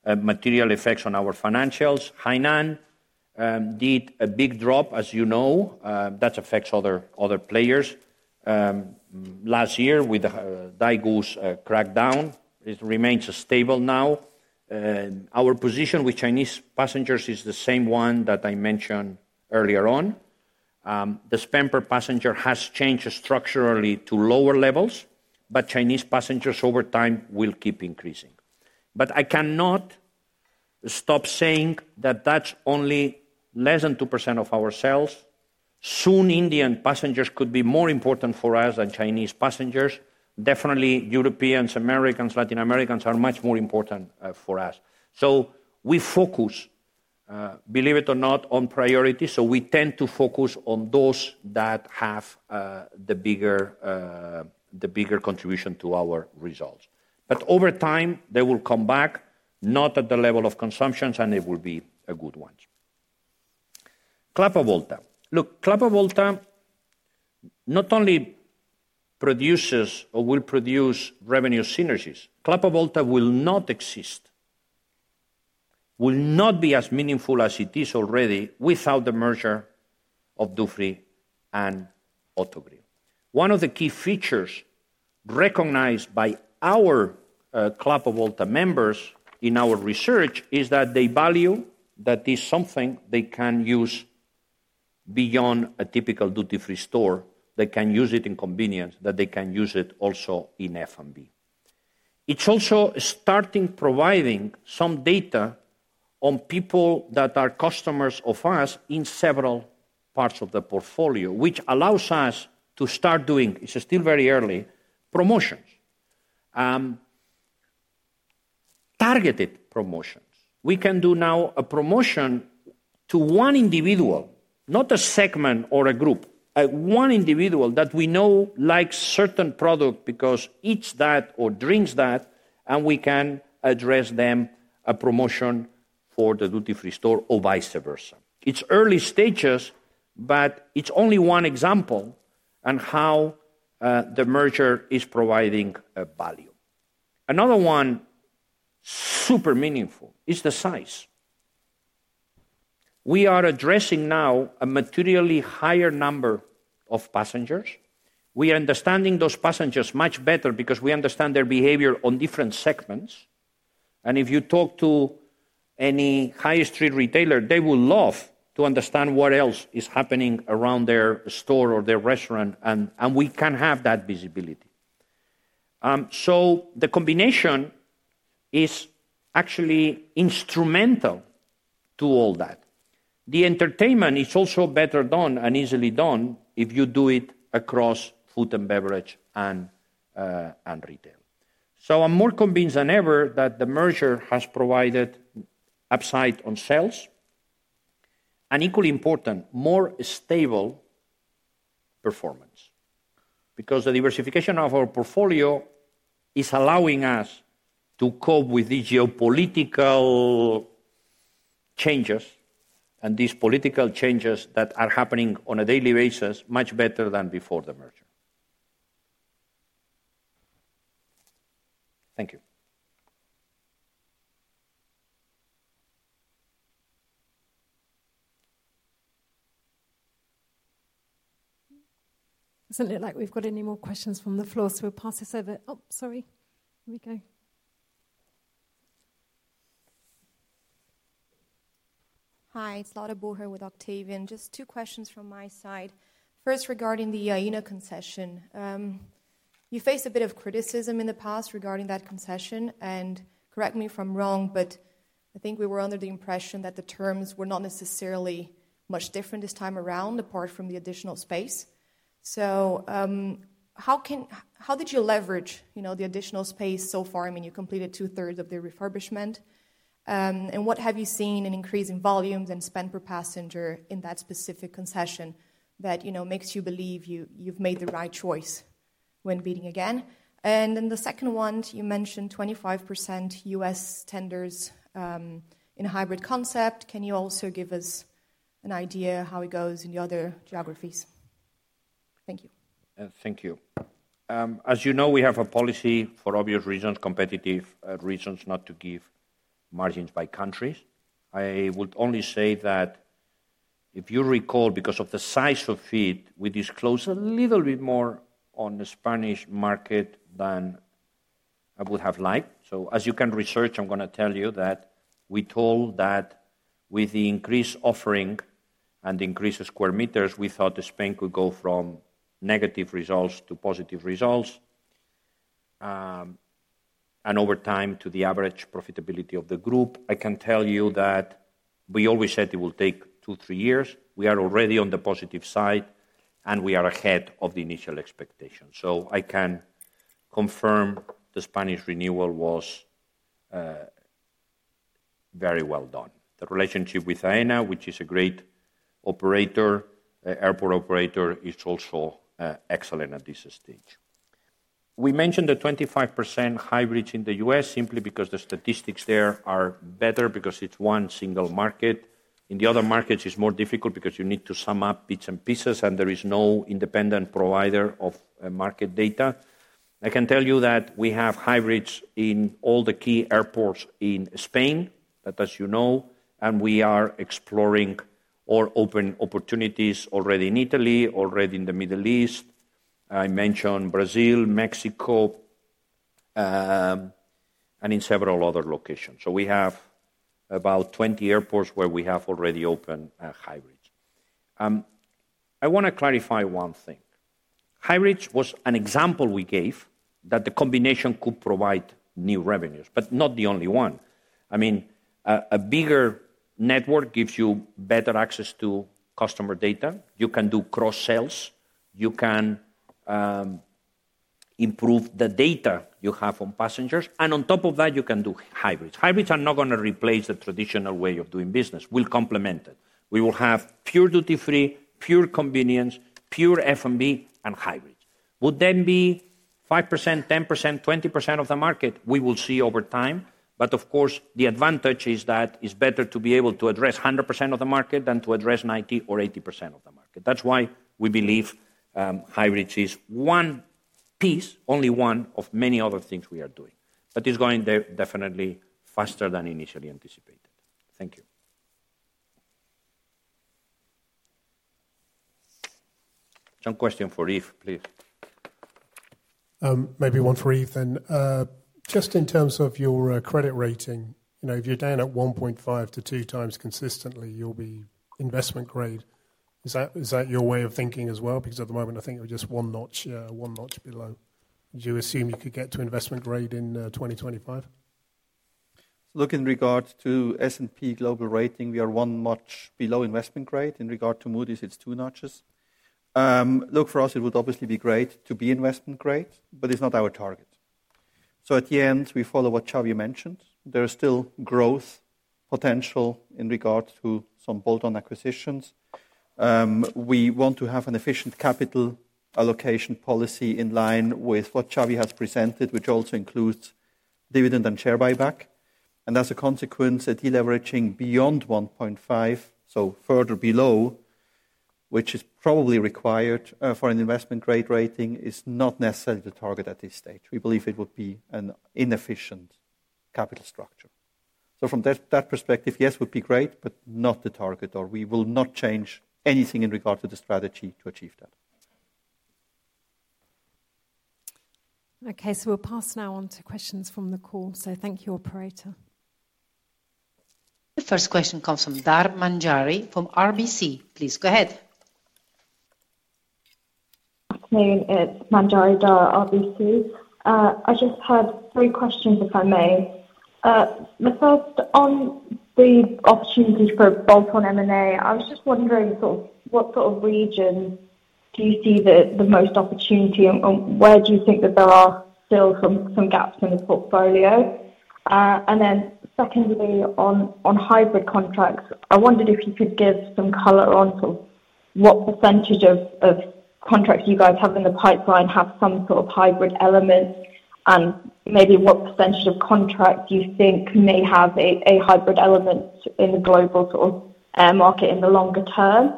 material effects on our financials. Hainan did a big drop, as you know. That affects other players. Last year, with daigou's crackdown, it remains stable now. Our position with Chinese passengers is the same one that I mentioned earlier on. The spend per passenger has changed structurally to lower levels, but Chinese passengers over time will keep increasing. I cannot stop saying that that's only less than 2% of our sales. Soon, Indian passengers could be more important for us than Chinese passengers. Definitely, Europeans, Americans, Latin Americans are much more important for us. We focus, believe it or not, on priorities. We tend to focus on those that have the bigger contribution to our results. Over time, they will come back, not at the level of consumption, and it will be a good one. Club Avolta. Look, Club Avolta not only produces or will produce revenue synergies. Club Avolta will not exist, will not be as meaningful as it is already without the merger of Dufry and Autogrill. One of the key features recognized by our Club Avolta members in our research is that they value that this is something they can use beyond a typical duty-free store. They can use it in convenience, that they can use it also in F&B. It's also starting providing some data on people that are customers of us in several parts of the portfolio, which allows us to start doing, it's still very early, promotions, targeted promotions. We can do now a promotion to one individual, not a segment or a group, one individual that we know likes certain products because eats that or drinks that, and we can address them a promotion for the duty-free store or vice versa. It's early stages, but it's only one example on how the merger is providing value. Another one super meaningful is the size. We are addressing now a materially higher number of passengers. We are understanding those passengers much better because we understand their behavior on different segments. If you talk to any high-street retailer, they will love to understand what else is happening around their store or their restaurant, and we can have that visibility. The combination is actually instrumental to all that. The entertainment is also better done and easily done if you do it across food and beverage and retail. I'm more convinced than ever that the merger has provided upside on sales and equally important, more stable performance because the diversification of our portfolio is allowing us to cope with these geopolitical changes and these political changes that are happening on a daily basis much better than before the merger. Thank you. Doesn't look like we've got any more questions from the floor, so we'll pass this over. Oh, sorry. Here we go. Hi, it's Laura Boucher with Octavian. Just two questions from my side. First, regarding the Aena concession, you faced a bit of criticism in the past regarding that concession. Correct me if I'm wrong, but I think we were under the impression that the terms were not necessarily much different this time around, apart from the additional space. How did you leverage the additional space so far? I mean, you completed two-thirds of the refurbishment. What have you seen in increasing volumes and spend per passenger in that specific concession that makes you believe you've made the right choice when bidding again? The second one, you mentioned 25% U.S. tenders in a hybrid concept. Can you also give us an idea of how it goes in the other geographies? Thank you. Thank you. As you know, we have a policy for obvious reasons, competitive reasons, not to give margins by countries. I would only say that if you recall, because of the size of it, we disclose a little bit more on the Spanish market than I would have liked. As you can research, I am going to tell you that we told that with the increased offering and the increased square meters, we thought Spain could go from negative results to positive results and over time to the average profitability of the group. I can tell you that we always said it will take two, three years. We are already on the positive side, and we are ahead of the initial expectations. I can confirm the Spanish renewal was very well done. The relationship with Aena, which is a great operator, airport operator, is also excellent at this stage. We mentioned the 25% hybrids in the U.S. simply because the statistics there are better because it is one single market. In the other markets, it is more difficult because you need to sum up bits and pieces, and there is no independent provider of market data. I can tell you that we have hybrids in all the key airports in Spain, as you know, and we are exploring or opening opportunities already in Italy, already in the Middle East. I mentioned Brazil, Mexico, and in several other locations. We have about 20 airports where we have already opened hybrids. I want to clarify one thing. Hybrids was an example we gave that the combination could provide new revenues, but not the only one. I mean, a bigger network gives you better access to customer data. You can do cross-sells. You can improve the data you have on passengers. On top of that, you can do hybrids. Hybrids are not going to replace the traditional way of doing business. We'll complement it. We will have pure duty-free, pure convenience, pure F&B, and hybrids. Would that be 5%, 10%, 20% of the market? We will see over time. Of course, the advantage is that it's better to be able to address 100% of the market than to address 90 or 80% of the market. That's why we believe hybrids is one piece, only one of many other things we are doing. It's going definitely faster than initially anticipated. Thank you. Some question for Yves, please. Maybe one for Yves then. Just in terms of your credit rating, if you're down at 1.5 to 2x consistently, you'll be investment grade. Is that your way of thinking as well? Because at the moment, I think you're just one notch below. Do you assume you could get to investment grade in 2025? `Look, in regard to S&P Global Ratings, we are one notch below investment grade. In regard to Moody's, it's two notches. Look, for us, it would obviously be great to be investment grade, but it's not our target. At the end, we follow what Xavier mentioned. There is still growth potential in regard to some bolt-on acquisitions. We want to have an efficient capital allocation policy in line with what Xavier has presented, which also includes dividend and share buyback. As a consequence, a deleveraging beyond 1.5, so further below, which is probably required for an investment grade rating, is not necessarily the target at this stage. We believe it would be an inefficient capital structure. From that perspective, yes, it would be great, but not the target, or we will not change anything in regard to the strategy to achieve that. Okay, we will pass now on to questions from the call. Thank you, Operator. The first question comes from Manjari Dhar from RBC. Please go ahead. Okay, it's Manjari Dhar, RBC. I just have three questions, if I may. The first, on the opportunity for bolt-on M&A, I was just wondering what sort of region do you see the most opportunity, and where do you think that there are still some gaps in the portfolio? Then secondly, on hybrid contracts, I wondered if you could give some color on what percentage of contracts you guys have in the pipeline have some sort of hybrid element, and maybe what percentage of contracts you think may have a hybrid element in the global market in the longer term.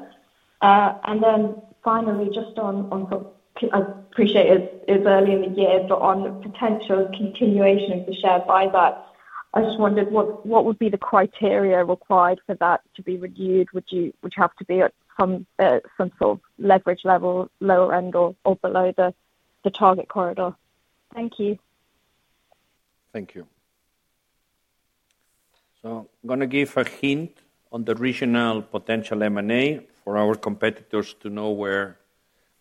Finally, just on, I appreciate it's early in the year, but on potential continuation of the share buyback, I just wondered what would be the criteria required for that to be renewed? Would you have to be at some sort of leverage level, lower end, or below the target corridor? Thank you. Thank you. I'm going to give a hint on the regional potential M&A for our competitors to know where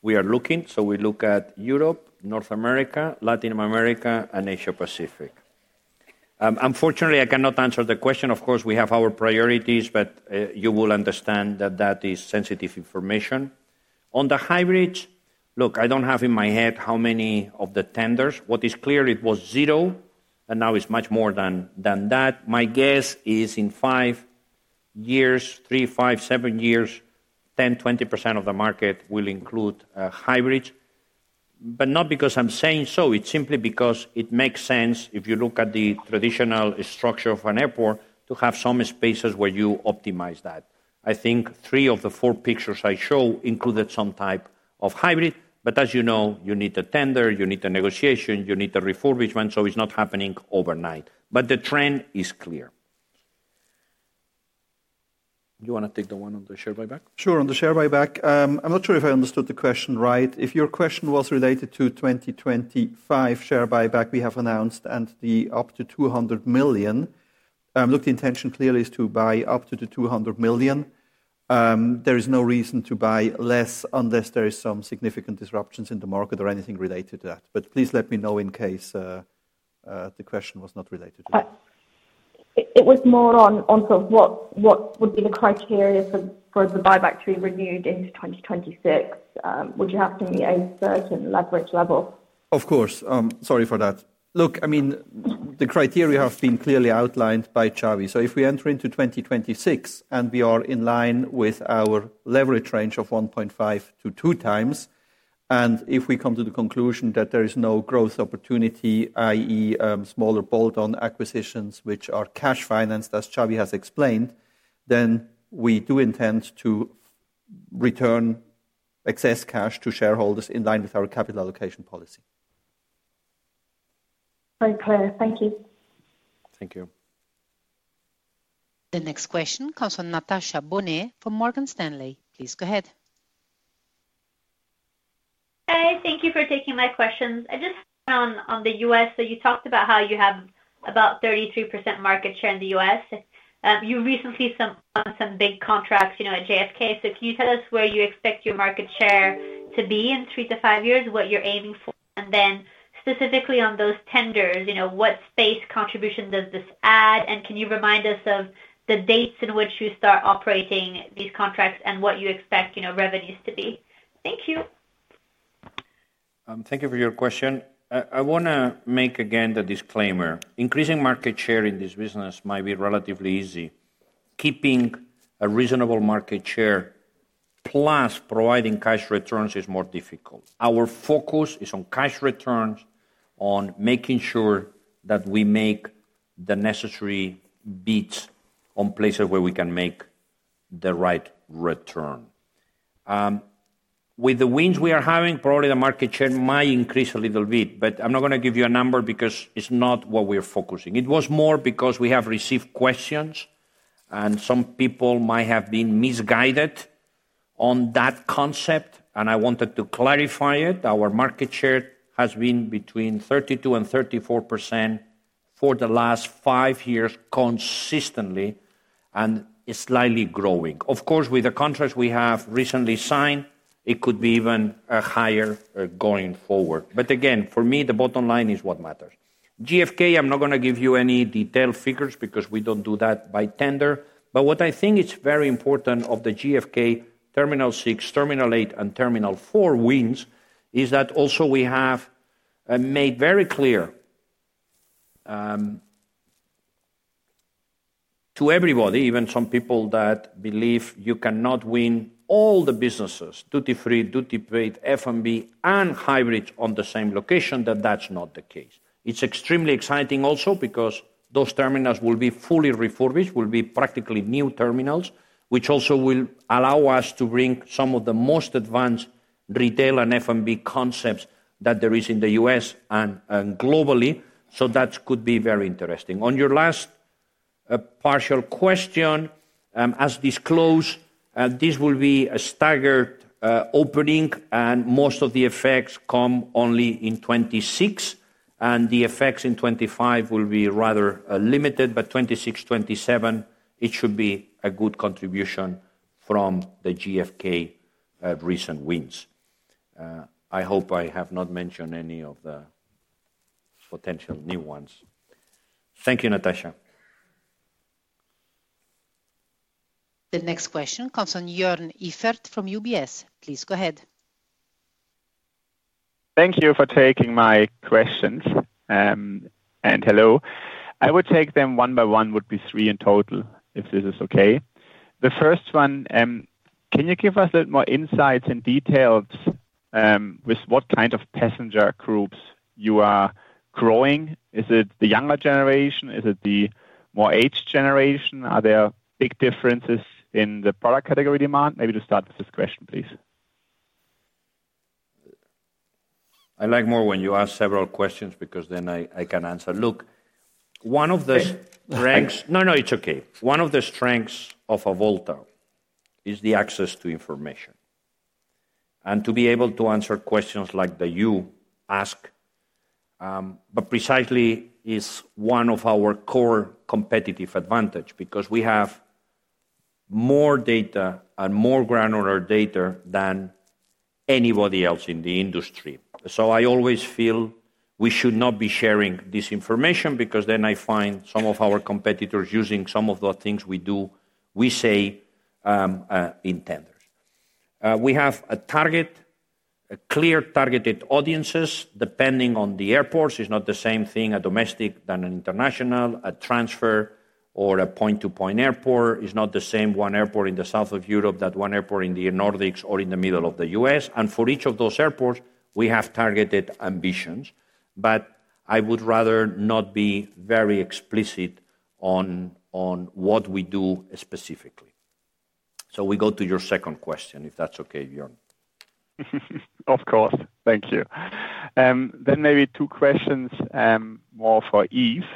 we are looking. We look at Europe, North America, Latin America, and Asia-Pacific. Unfortunately, I cannot answer the question. Of course, we have our priorities, but you will understand that that is sensitive information. On the hybrids, look, I do not have in my head how many of the tenders. What is clear, it was zero, and now it is much more than that. My guess is in five years, three, five, seven years, 10% to 20% of the market will include hybrids. Not because I am saying so, it is simply because it makes sense if you look at the traditional structure of an airport to have some spaces where you optimize that. I think three of the four pictures I show included some type of hybrid. As you know, you need a tender, you need a negotiation, you need a refurbishment, so it is not happening overnight. The trend is clear. Do you want to take the one on the share buyback? Sure, on the share buyback. I'm not sure if I understood the question right. If your question was related to 2025 share buyback we have announced and the up to 200 million, look, the intention clearly is to buy up to the 200 million. There is no reason to buy less unless there are some significant disruptions in the market or anything related to that. Please let me know in case the question was not related to that. It was more on sort of what would be the criteria for the buyback to be renewed into 2026. Would you have to meet a certain leverage level? Of course. Sorry for that. Look, I mean, the criteria have been clearly outlined by Xavier. If we enter into 2026 and we are in line with our leverage range of 1.5 to 2x, and if we come to the conclusion that there is no growth opportunity, i.e., smaller bolt-on acquisitions which are cash financed, as Xavier has explained, then we do intend to return excess cash to shareholders in line with our capital allocation policy. Very clear. Thank you. Thank you. The next question comes from Natasha Bonnet from Morgan Stanley. Please go ahead. Hi, thank you for taking my questions. I just, on the U.S., you talked about how you have about 33% market share in the U.S. You recently signed some big contracts at JFK. Can you tell us where you expect your market share to be in three to five years, what you're aiming for, and then specifically on those tenders, what space contribution does this add? Can you remind us of the dates in which you start operating these contracts and what you expect revenues to be? Thank you. Thank you for your question. I want to make again the disclaimer. Increasing market share in this business might be relatively easy. Keeping a reasonable market share plus providing cash returns is more difficult. Our focus is on cash returns, on making sure that we make the necessary bids on places where we can make the right return. With the wins we are having, probably the market share might increase a little bit, but I'm not going to give you a number because it's not what we are focusing. It was more because we have received questions, and some people might have been misguided on that concept, and I wanted to clarify it. Our market share has been between 32% and 34% for the last five years consistently and is slightly growing. Of course, with the contracts we have recently signed, it could be even higher going forward. Again, for me, the bottom line is what matters. JFK, I'm not going to give you any detailed figures because we don't do that by tender. What I think is very important of the JFK, Terminal 6, Terminal 8, and Terminal 4 wins is that also we have made very clear to everybody, even some people that believe you cannot win all the businesses, duty-free, duty-paid, F&B, and hybrids on the same location, that that's not the case. It's extremely exciting also because those terminals will be fully refurbished, will be practically new terminals, which also will allow us to bring some of the most advanced retail and F&B concepts that there are in the U.S. and globally. That could be very interesting. On your last partial question, as disclosed, this will be a staggered opening, and most of the effects come only in 2026, and the effects in 2025 will be rather limited, but 2026, 2027, it should be a good contribution from the JFK recent wins. I hope I have not mentioned any of the potential new ones. Thank you, Natasha. The next question comes from Joern Iffert from UBS. Please go ahead. Thank you for taking my questions. And hello. I would take them one by one, would be three in total, if this is okay. The first one, can you give us a little more insights and details with what kind of passenger groups you are growing? Is it the younger generation? Is it the more aged generation? Are there big differences in the product category demand? Maybe to start with this question, please. I like more when you ask several questions because then I can answer. Look, one of the strengths—no, no, it's okay. One of the strengths of Avolta is the access to information. And to be able to answer questions like the you ask, but precisely is one of our core competitive advantages because we have more data and more granular data than anybody else in the industry. I always feel we should not be sharing this information because then I find some of our competitors using some of the things we do, we say, in tenders. We have a clear targeted audiences depending on the airports. It's not the same thing a domestic than an international, a transfer or a point-to-point airport. It's not the same one airport in the south of Europe that one airport in the Nordics or in the middle of the U.S. For each of those airports, we have targeted ambitions. I would rather not be very explicit on what we do specifically. We go to your second question, if that's okay, Joern. Of course. Thank you. Maybe two questions more for Yves.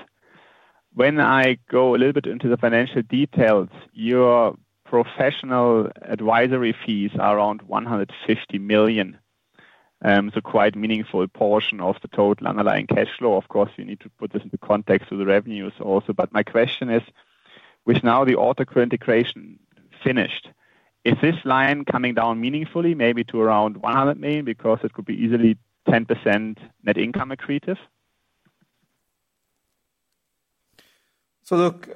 When I go a little bit into the financial details, your professional advisory fees are around 150 million. It's a quite meaningful portion of the total underlying cash flow. Of course, you need to put this into context of the revenues also. My question is, with now the Autogrill integration finished, is this line coming down meaningfully, maybe to around 100 million because it could be easily 10% net income accretive? Look,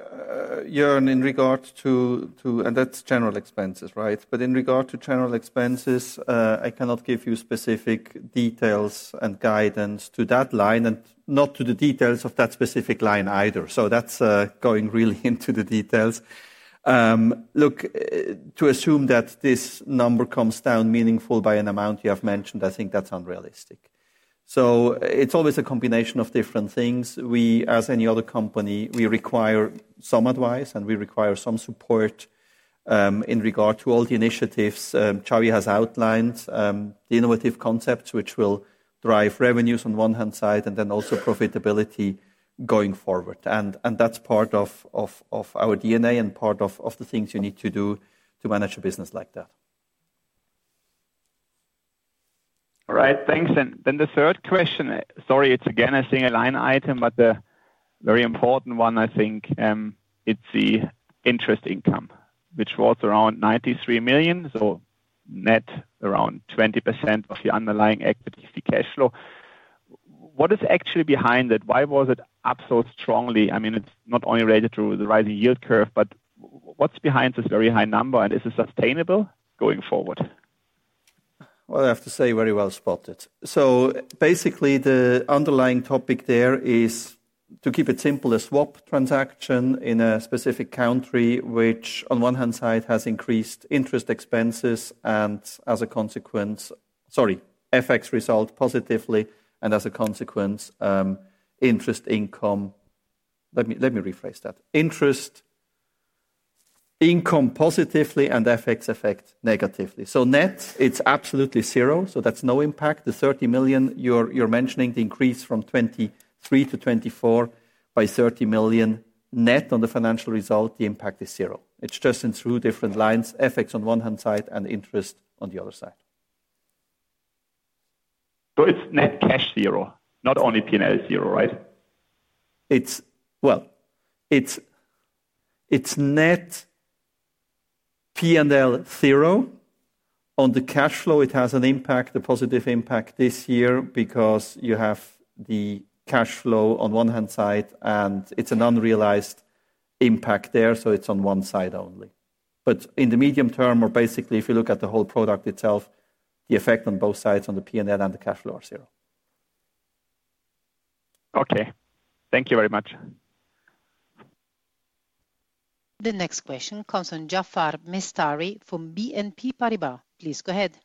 Joern, in regards to—and that's general expenses, right? In regards to general expenses, I cannot give you specific details and guidance to that line and not to the details of that specific line either. That is going really into the details. To assume that this number comes down meaningful by an amount you have mentioned, I think that is unrealistic. It is always a combination of different things. We, as any other company, require some advice and we require some support in regards to all the initiatives Xavier has outlined, the innovative concepts which will drive revenues on one hand side and then also profitability going forward. That's part of our DNA and part of the things you need to do to manage a business like that. All right. Thanks. The third question, sorry, it's again a single line item, but a very important one. I think it's the interest income, which was around 93 million, so net around 20% of the underlying equity cash flow. What is actually behind it? Why was it up so strongly? I mean, it's not only related to the rising yield curve, but what's behind this very high number? Is it sustainable going forward? I have to say very well spotted. Basically, the underlying topic there is, to keep it simple, a swap transaction in a specific country, which on one hand side has increased interest expenses and as a consequence, sorry, FX result positively and as a consequence, interest income—let me rephrase that—interest income positively and FX effect negatively. Net, it's absolutely zero. That's no impact. The 30 million you're mentioning, the increase from 2023 to 2024 by 30 million net on the financial result, the impact is zero. It's just in three different lines, FX on one hand side and interest on the other side. It's net cash zero, not only P&L zero, right? It's net P&L zero on the cash flow. It has an impact, a positive impact this year because you have the cash flow on one hand side and it's an unrealized impact there. It's on one side only. In the medium term, or basically if you look at the whole product itself, the effect on both sides on the P&L and the cash flow are zero. Okay. Thank you very much. The next question comes from Jaafar Mestari from BNP Paribas. Please go ahead.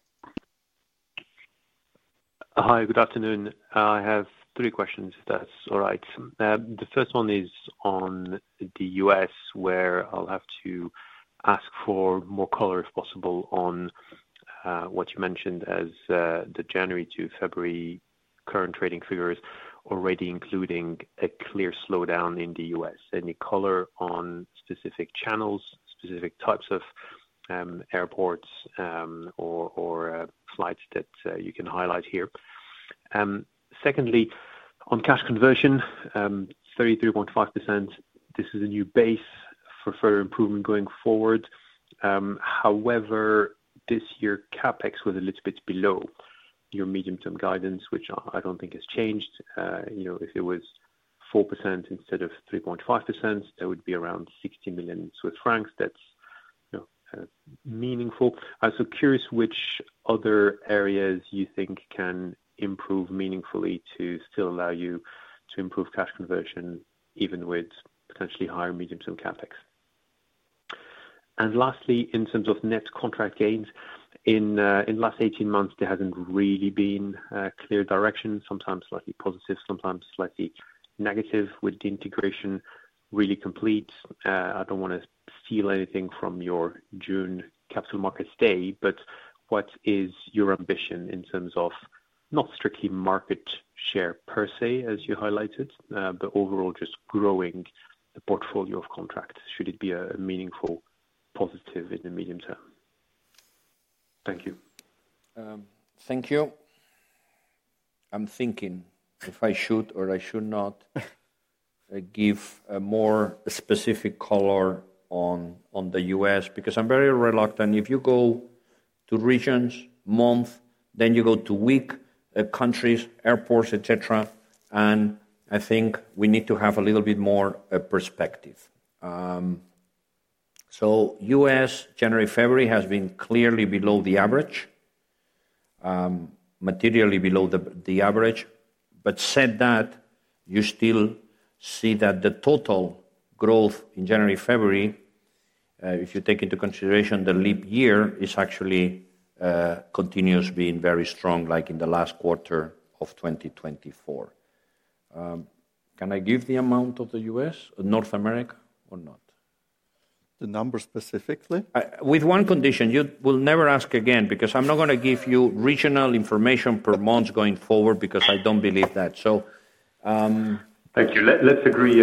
Hi, good afternoon. I have three questions, if that's all right. The first one is on the U.S., where I'll have to ask for more color if possible on what you mentioned as the January to February current trading figures already including a clear slowdown in the U.S. Any color on specific channels, specific types of airports or flights that you can highlight here? Secondly, on cash conversion, 33.5%, this is a new base for further improvement going forward. However, this year, CapEx was a little bit below your medium-term guidance, which I don't think has changed. If it was 4% instead of 3.5%, that would be around 60 million Swiss francs. That's meaningful. I'm also curious which other areas you think can improve meaningfully to still allow you to improve cash conversion even with potentially higher medium-term CapEx. Lastly, in terms of net contract gains, in the last 18 months, there hasn't really been a clear direction, sometimes slightly positive, sometimes slightly negative with the integration really complete. I don't want to steal anything from your June Capital Markets Day, but what is your ambition in terms of not strictly market share per se, as you highlighted, but overall just growing the portfolio of contracts? Should it be a meaningful positive in the medium term? Thank you. Thank you. I'm thinking if I should or I should not give a more specific color on the U.S. because I'm very reluctant. If you go to regions, month, then you go to week, countries, airports, etc., and I think we need to have a little bit more perspective. U.S., January, February has been clearly below the average, materially below the average. That said, you still see that the total growth in January, February, if you take into consideration the leap year, is actually continuous, being very strong, like in the last quarter of 2024. Can I give the amount of the U.S., North America, or not? The number specifically? With one condition. You will never ask again because I'm not going to give you regional information per month going forward because I don't believe that. Thank you. Let's agree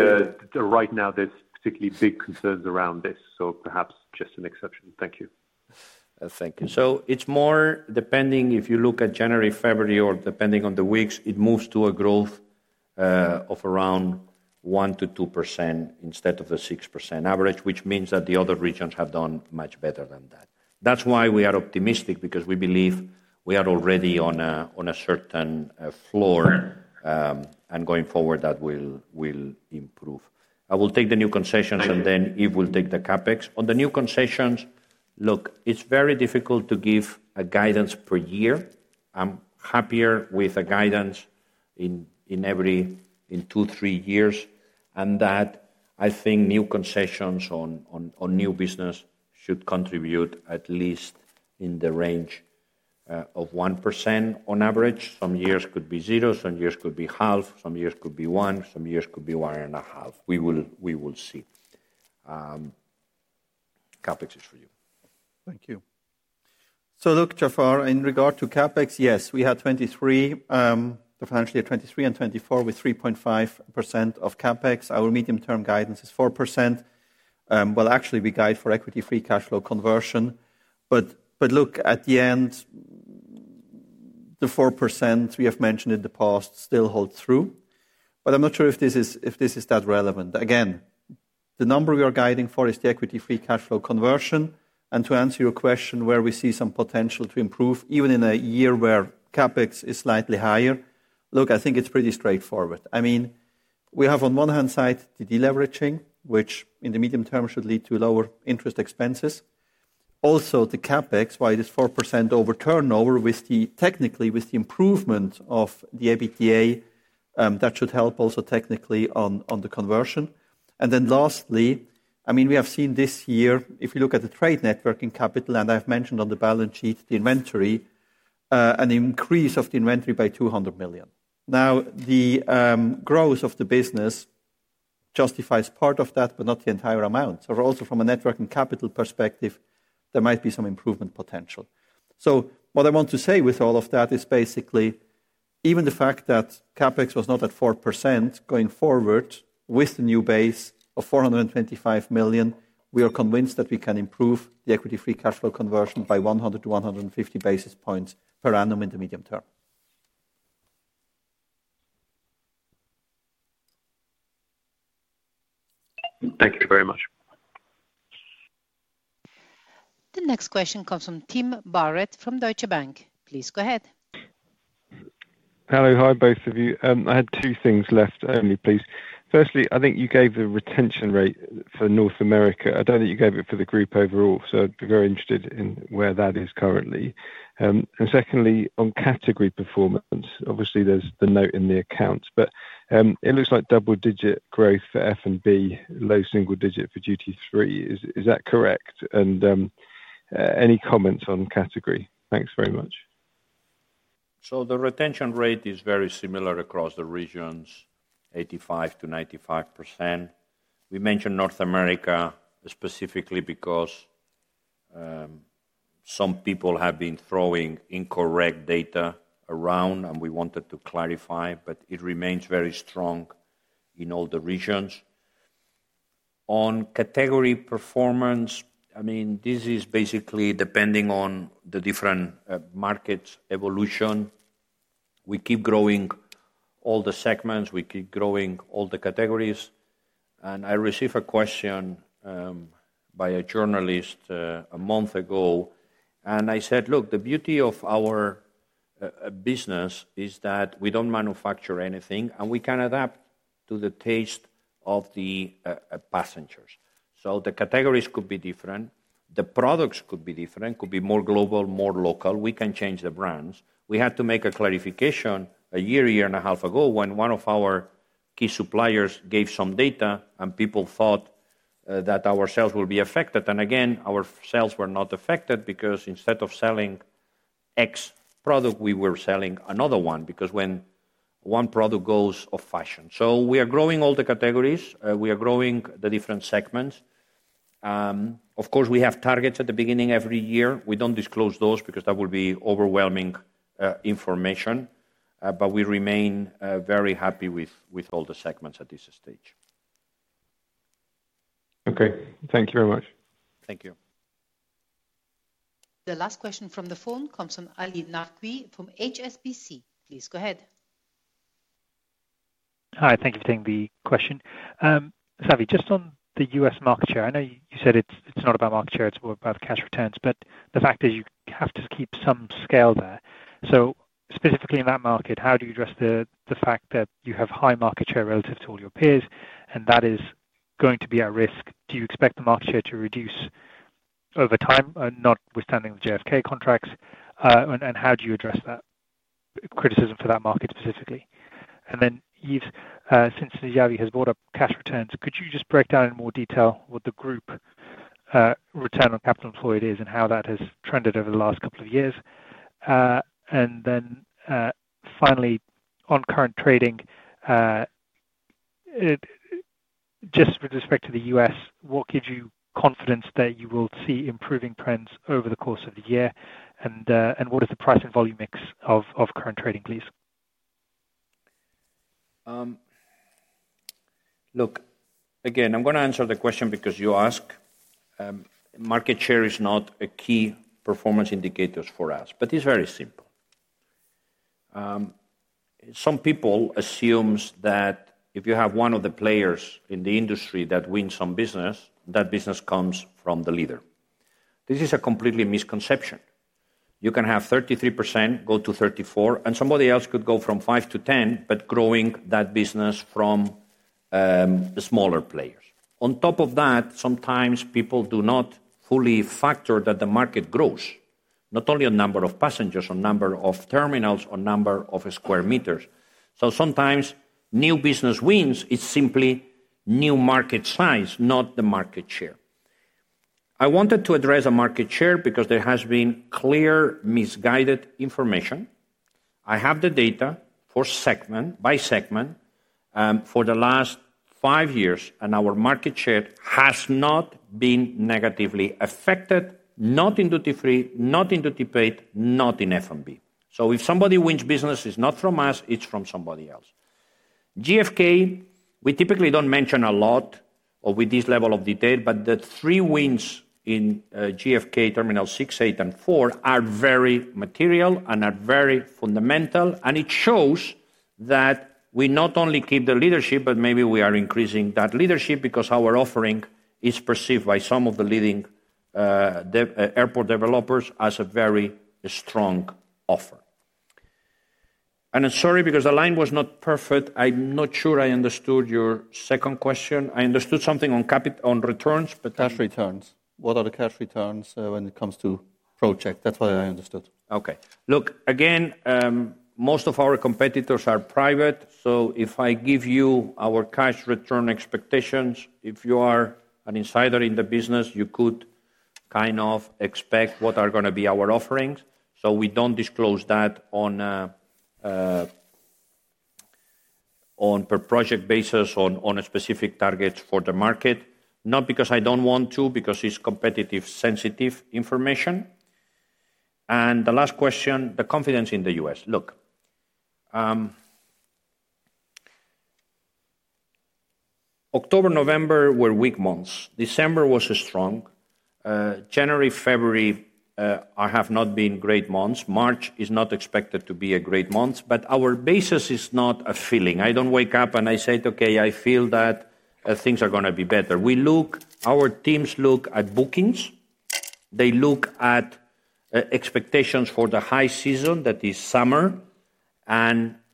right now there's particularly big concerns around this. Perhaps just an exception. Thank you. Thank you. It is more depending if you look at January, February, or depending on the weeks, it moves to a growth of around 1 to 2% instead of the 6% average, which means that the other regions have done much better than that. That is why we are optimistic because we believe we are already on a certain floor and going forward that will improve. I will take the new concessions and then Yves will take the CapEx. On the new concessions, look, it is very difficult to give a guidance per year. I am happier with a guidance in two, three years. And that, I think, new concessions on new business should contribute at least in the range of 1% on average. Some years could be zero, some years could be half, some years could be one, some years could be one and a half. We will see. CapEx is for you. Thank you. Look, Jaafar, in regard to CapEx, yes, we have 2023, the financial year 2023 and 2024 with 3.5% of CapEx. Our medium-term guidance is 4%. Actually, we guide for Equity Free Cash Flow conversion. At the end, the 4% we have mentioned in the past still holds true. I'm not sure if this is that relevant. Again, the number we are guiding for is the Equity Free Cash Flow conversion. To answer your question, where we see some potential to improve, even in a year where CapEx is slightly higher, I think it's pretty straightforward. We have on one hand side the deleveraging, which in the medium term should lead to lower interest expenses. Also, the CapEx, while it is 4% over turnover, technically with the improvement of the EBITDA, that should help also technically on the conversion. Lastly, I mean, we have seen this year, if you look at the Trade Net Working Capital, and I have mentioned on the balance sheet, the inventory, an increase of the inventory by 200 million. Now, the growth of the business justifies part of that, but not the entire amount. Also from a net working capital perspective, there might be some improvement potential. What I want to say with all of that is basically even the fact that CapEx was not at 4% going forward with the new base of 425 million, we are convinced that we can improve the Equity Free Cash Flow conversion by 100 to 150 basis points per annum in the medium term. Thank you very much. The next question comes from Tim Barrett from Deutsche Bank. Please go ahead. Hello.Hi, both of you. I had two things left only, please. Firstly, I think you gave the retention rate for North America. I don't think you gave it for the group overall, so I'd be very interested in where that is currently. Secondly, on category performance, obviously there's the note in the accounts, but it looks like double-digit growth for F&B, low single digit for duty free. Is that correct? Any comments on category? Thanks very much. The retention rate is very similar across the regions, 85 to 95%. We mentioned North America specifically because some people have been throwing incorrect data around and we wanted to clarify, but it remains very strong in all the regions. On category performance, I mean, this is basically depending on the different markets' evolution. We keep growing all the segments. We keep growing all the categories. I received a question by a journalist a month ago. I said, "Look, the beauty of our business is that we don't manufacture anything and we can adapt to the taste of the passengers." The categories could be different. The products could be different, could be more global, more local. We can change the brands. We had to make a clarification a year, year and a half ago when one of our key suppliers gave some data and people thought that our sales will be affected. Again, our sales were not affected because instead of selling X product, we were selling another one because when one product goes off fashion. We are growing all the categories. We are growing the different segments. Of course, we have targets at the beginning every year. We don't disclose those because that would be overwhelming information. We remain very happy with all the segments at this stage. Okay. Thank you very much. Thank you. The last question from the phone comes from Ali Naqvi from HSBC.Please go ahead. Hi. Thank you for taking the question. Xavier, just on the US market share, I know you said it's not about market share, it's more about cash returns, but the fact is you have to keep some scale there. Specifically in that market, how do you address the fact that you have high market share relative to all your peers and that is going to be at risk? Do you expect the market share to reduce over time and notwithstanding the JFK contracts? How do you address that criticism for that market specifically? Then Yves, since Xavier has brought up cash returns, could you just break down in more detail what the group Return on Capital Employed is and how that has trended over the last couple of years? Finally, on current trading, just with respect to the U.S., what gives you confidence that you will see improving trends over the course of the year? What is the price and volume mix of current trading, please? Look, again, I'm going to answer the question because you asked. Market share is not a key performance indicator for us, but it's very simple. Some people assume that if you have one of the players in the industry that wins some business, that business comes from the leader. This is a complete misconception. You can have 33%, go to 34%, and somebody else could go from 5% to 10%, but growing that business from smaller players. On top of that, sometimes people do not fully factor that the market grows, not only on number of passengers, on number of terminals, on number of square meters. Sometimes new business wins, it is simply new market size, not the market share. I wanted to address a market share because there has been clear misguided information. I have the data for segment by segment for the last five years, and our market share has not been negatively affected, not in duty free, not in duty-paid, not in F&B. If somebody wins business, it is not from us, it is from somebody else. JFK, we typically do not mention a lot or with this level of detail, but the three wins in JFK Terminal 6, 8, and 4 are very material and are very fundamental. It shows that we not only keep the leadership, but maybe we are increasing that leadership because our offering is perceived by some of the leading airport developers as a very strong offer. I am sorry because the line was not perfect. I am not sure I understood your second question. I understood something on returns, but cash returns. What are the cash returns when it comes to project? That is what I understood. Okay. Look, again, most of our competitors are private. If I give you our cash return expectations, if you are an insider in the business, you could kind of expect what are going to be our offerings. We do not disclose that on a per project basis on specific targets for the market, not because I do not want to, because it is competitive-sensitive information. The last question, the confidence in the U.S. Look, October, November were weak months. December was strong. January, February have not been great months. March is not expected to be a great month, but our basis is not a feeling. I do not wake up and say, "Okay, I feel that things are going to be better." We look, our teams look at bookings. They look at expectations for the high season that is summer.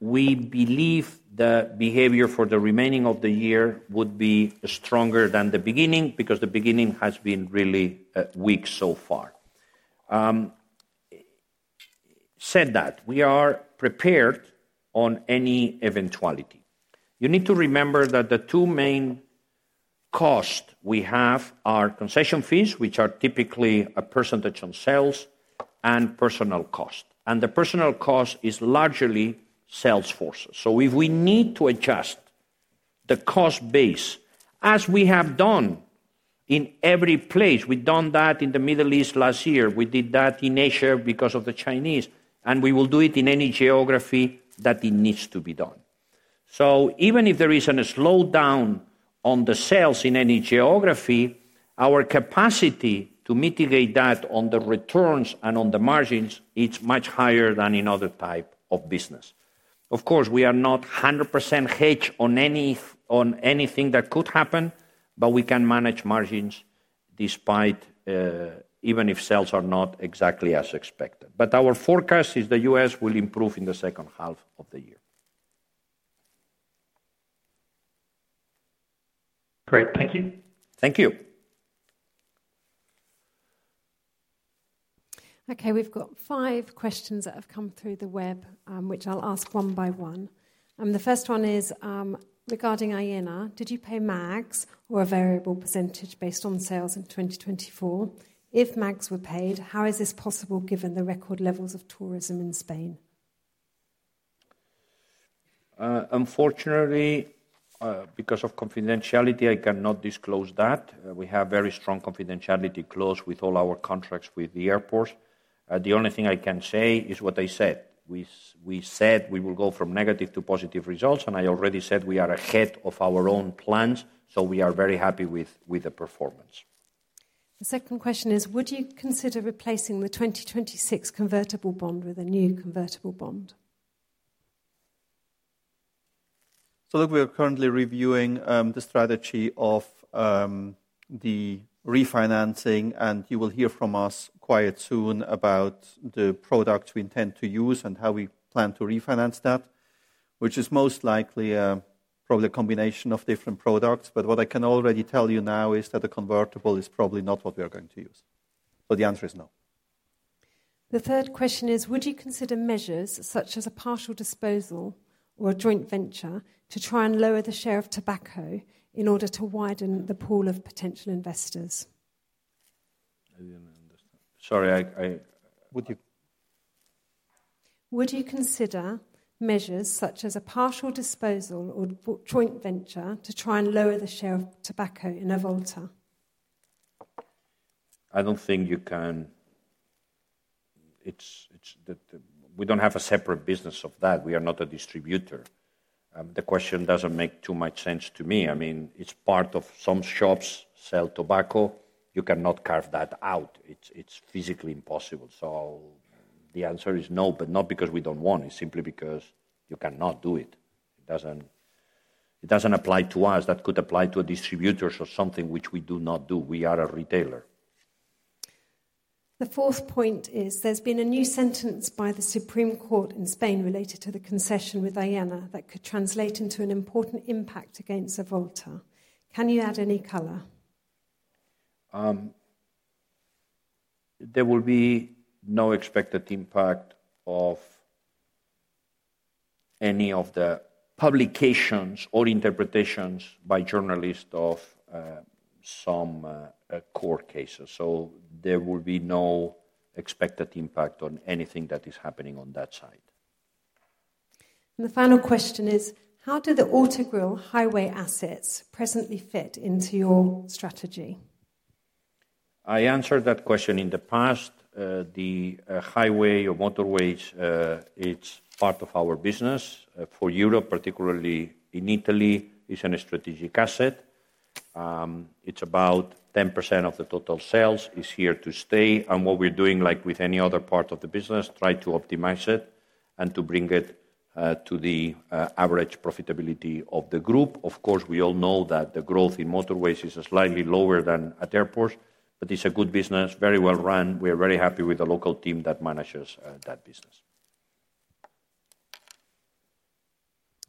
We believe the behavior for the remaining of the year would be stronger than the beginning because the beginning has been really weak so far. Said that, we are prepared on any eventuality. You need to remember that the two main costs we have are concession fees, which are typically a percentage on sales, and personnel cost. And the personnel cost is largely sales forces. If we need to adjust the cost base, as we have done in every place, we've done that in the Middle East last year. We did that in Asia because of the Chinese. We will do it in any geography that it needs to be done. Even if there is a slowdown on the sales in any geography, our capacity to mitigate that on the returns and on the margins, it's much higher than in other types of business. Of course, we are not 100% hedged on anything that could happen, but we can manage margins despite even if sales are not exactly as expected. Our forecast is the U.S. will improve in the second half of the year. Great. Thank you. Thank you. Okay. We've got five questions that have come through the web, which I'll ask one by one. The first one is regarding Aena. Did you pay MAGs or a variable percentage based on sales in 2024? If MAGs were paid, how is this possible given the record levels of tourism in Spain? Unfortunately, because of confidentiality, I cannot disclose that. We have very strong confidentiality clause with all our contracts with the airports. The only thing I can say is what I said. We said we will go from negative to positive results. I already said we are ahead of our own plans. We are very happy with the performance. The second question is, would you consider replacing the 2026 convertible bond with a new convertible bond? Look, we are currently reviewing the strategy of the refinancing, and you will hear from us quite soon about the products we intend to use and how we plan to refinance that, which is most likely probably a combination of different products. What I can already tell you now is that the convertible is probably not what we are going to use. The answer is no. The third question is, would you consider measures such as a partial disposal or a joint venture to try and lower the share of tobacco in order to widen the pool of potential investors? I didn't understand. Sorry. Would you consider measures such as a partial disposal or joint venture to try and lower the share of tobacco in Avolta? I don't think you can. We don't have a separate business of that. We are not a distributor. The question doesn't make too much sense to me. I mean, it's part of some shops sell tobacco. You cannot carve that out. It's physically impossible. The answer is no, but not because we don't want it, simply because you cannot do it. It doesn't apply to us. That could apply to a distributor or something which we do not do. We are a retailer. The fourth point is there's been a new sentence by the Supreme Court in Spain related to the concession with Aena that could translate into an important impact against Avolta. Can you add any color? There will be no expected impact of any of the publications or interpretations by journalists of some court cases. There will be no expected impact on anything that is happening on that side. The final question is, how do the Autogrill highway assets presently fit into your strategy? I answered that question in the past. The highway or motorways, it's part of our business. For Europe, particularly in Italy, it's a strategic asset. It's about 10% of the total sales, is here to stay. What we're doing, like with any other part of the business, is trying to optimize it and to bring it to the average profitability of the group. Of course, we all know that the growth in motorways is slightly lower than at airports, but it's a good business, very well run. We are very happy with the local team that manages that business.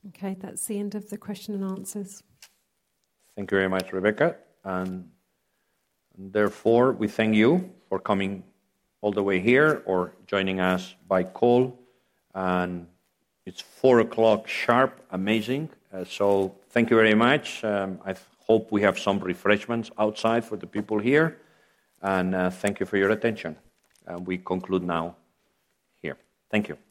Okay. That's the end of the question and answers. Thank you very much, Rebecca. Therefore, we thank you for coming all the way here or joining us by call. It is 4:00 sharp. Amazing. Thank you very much. I hope we have some refreshments outside for the people here. Thank you for your attention. We conclude now here. Thank you.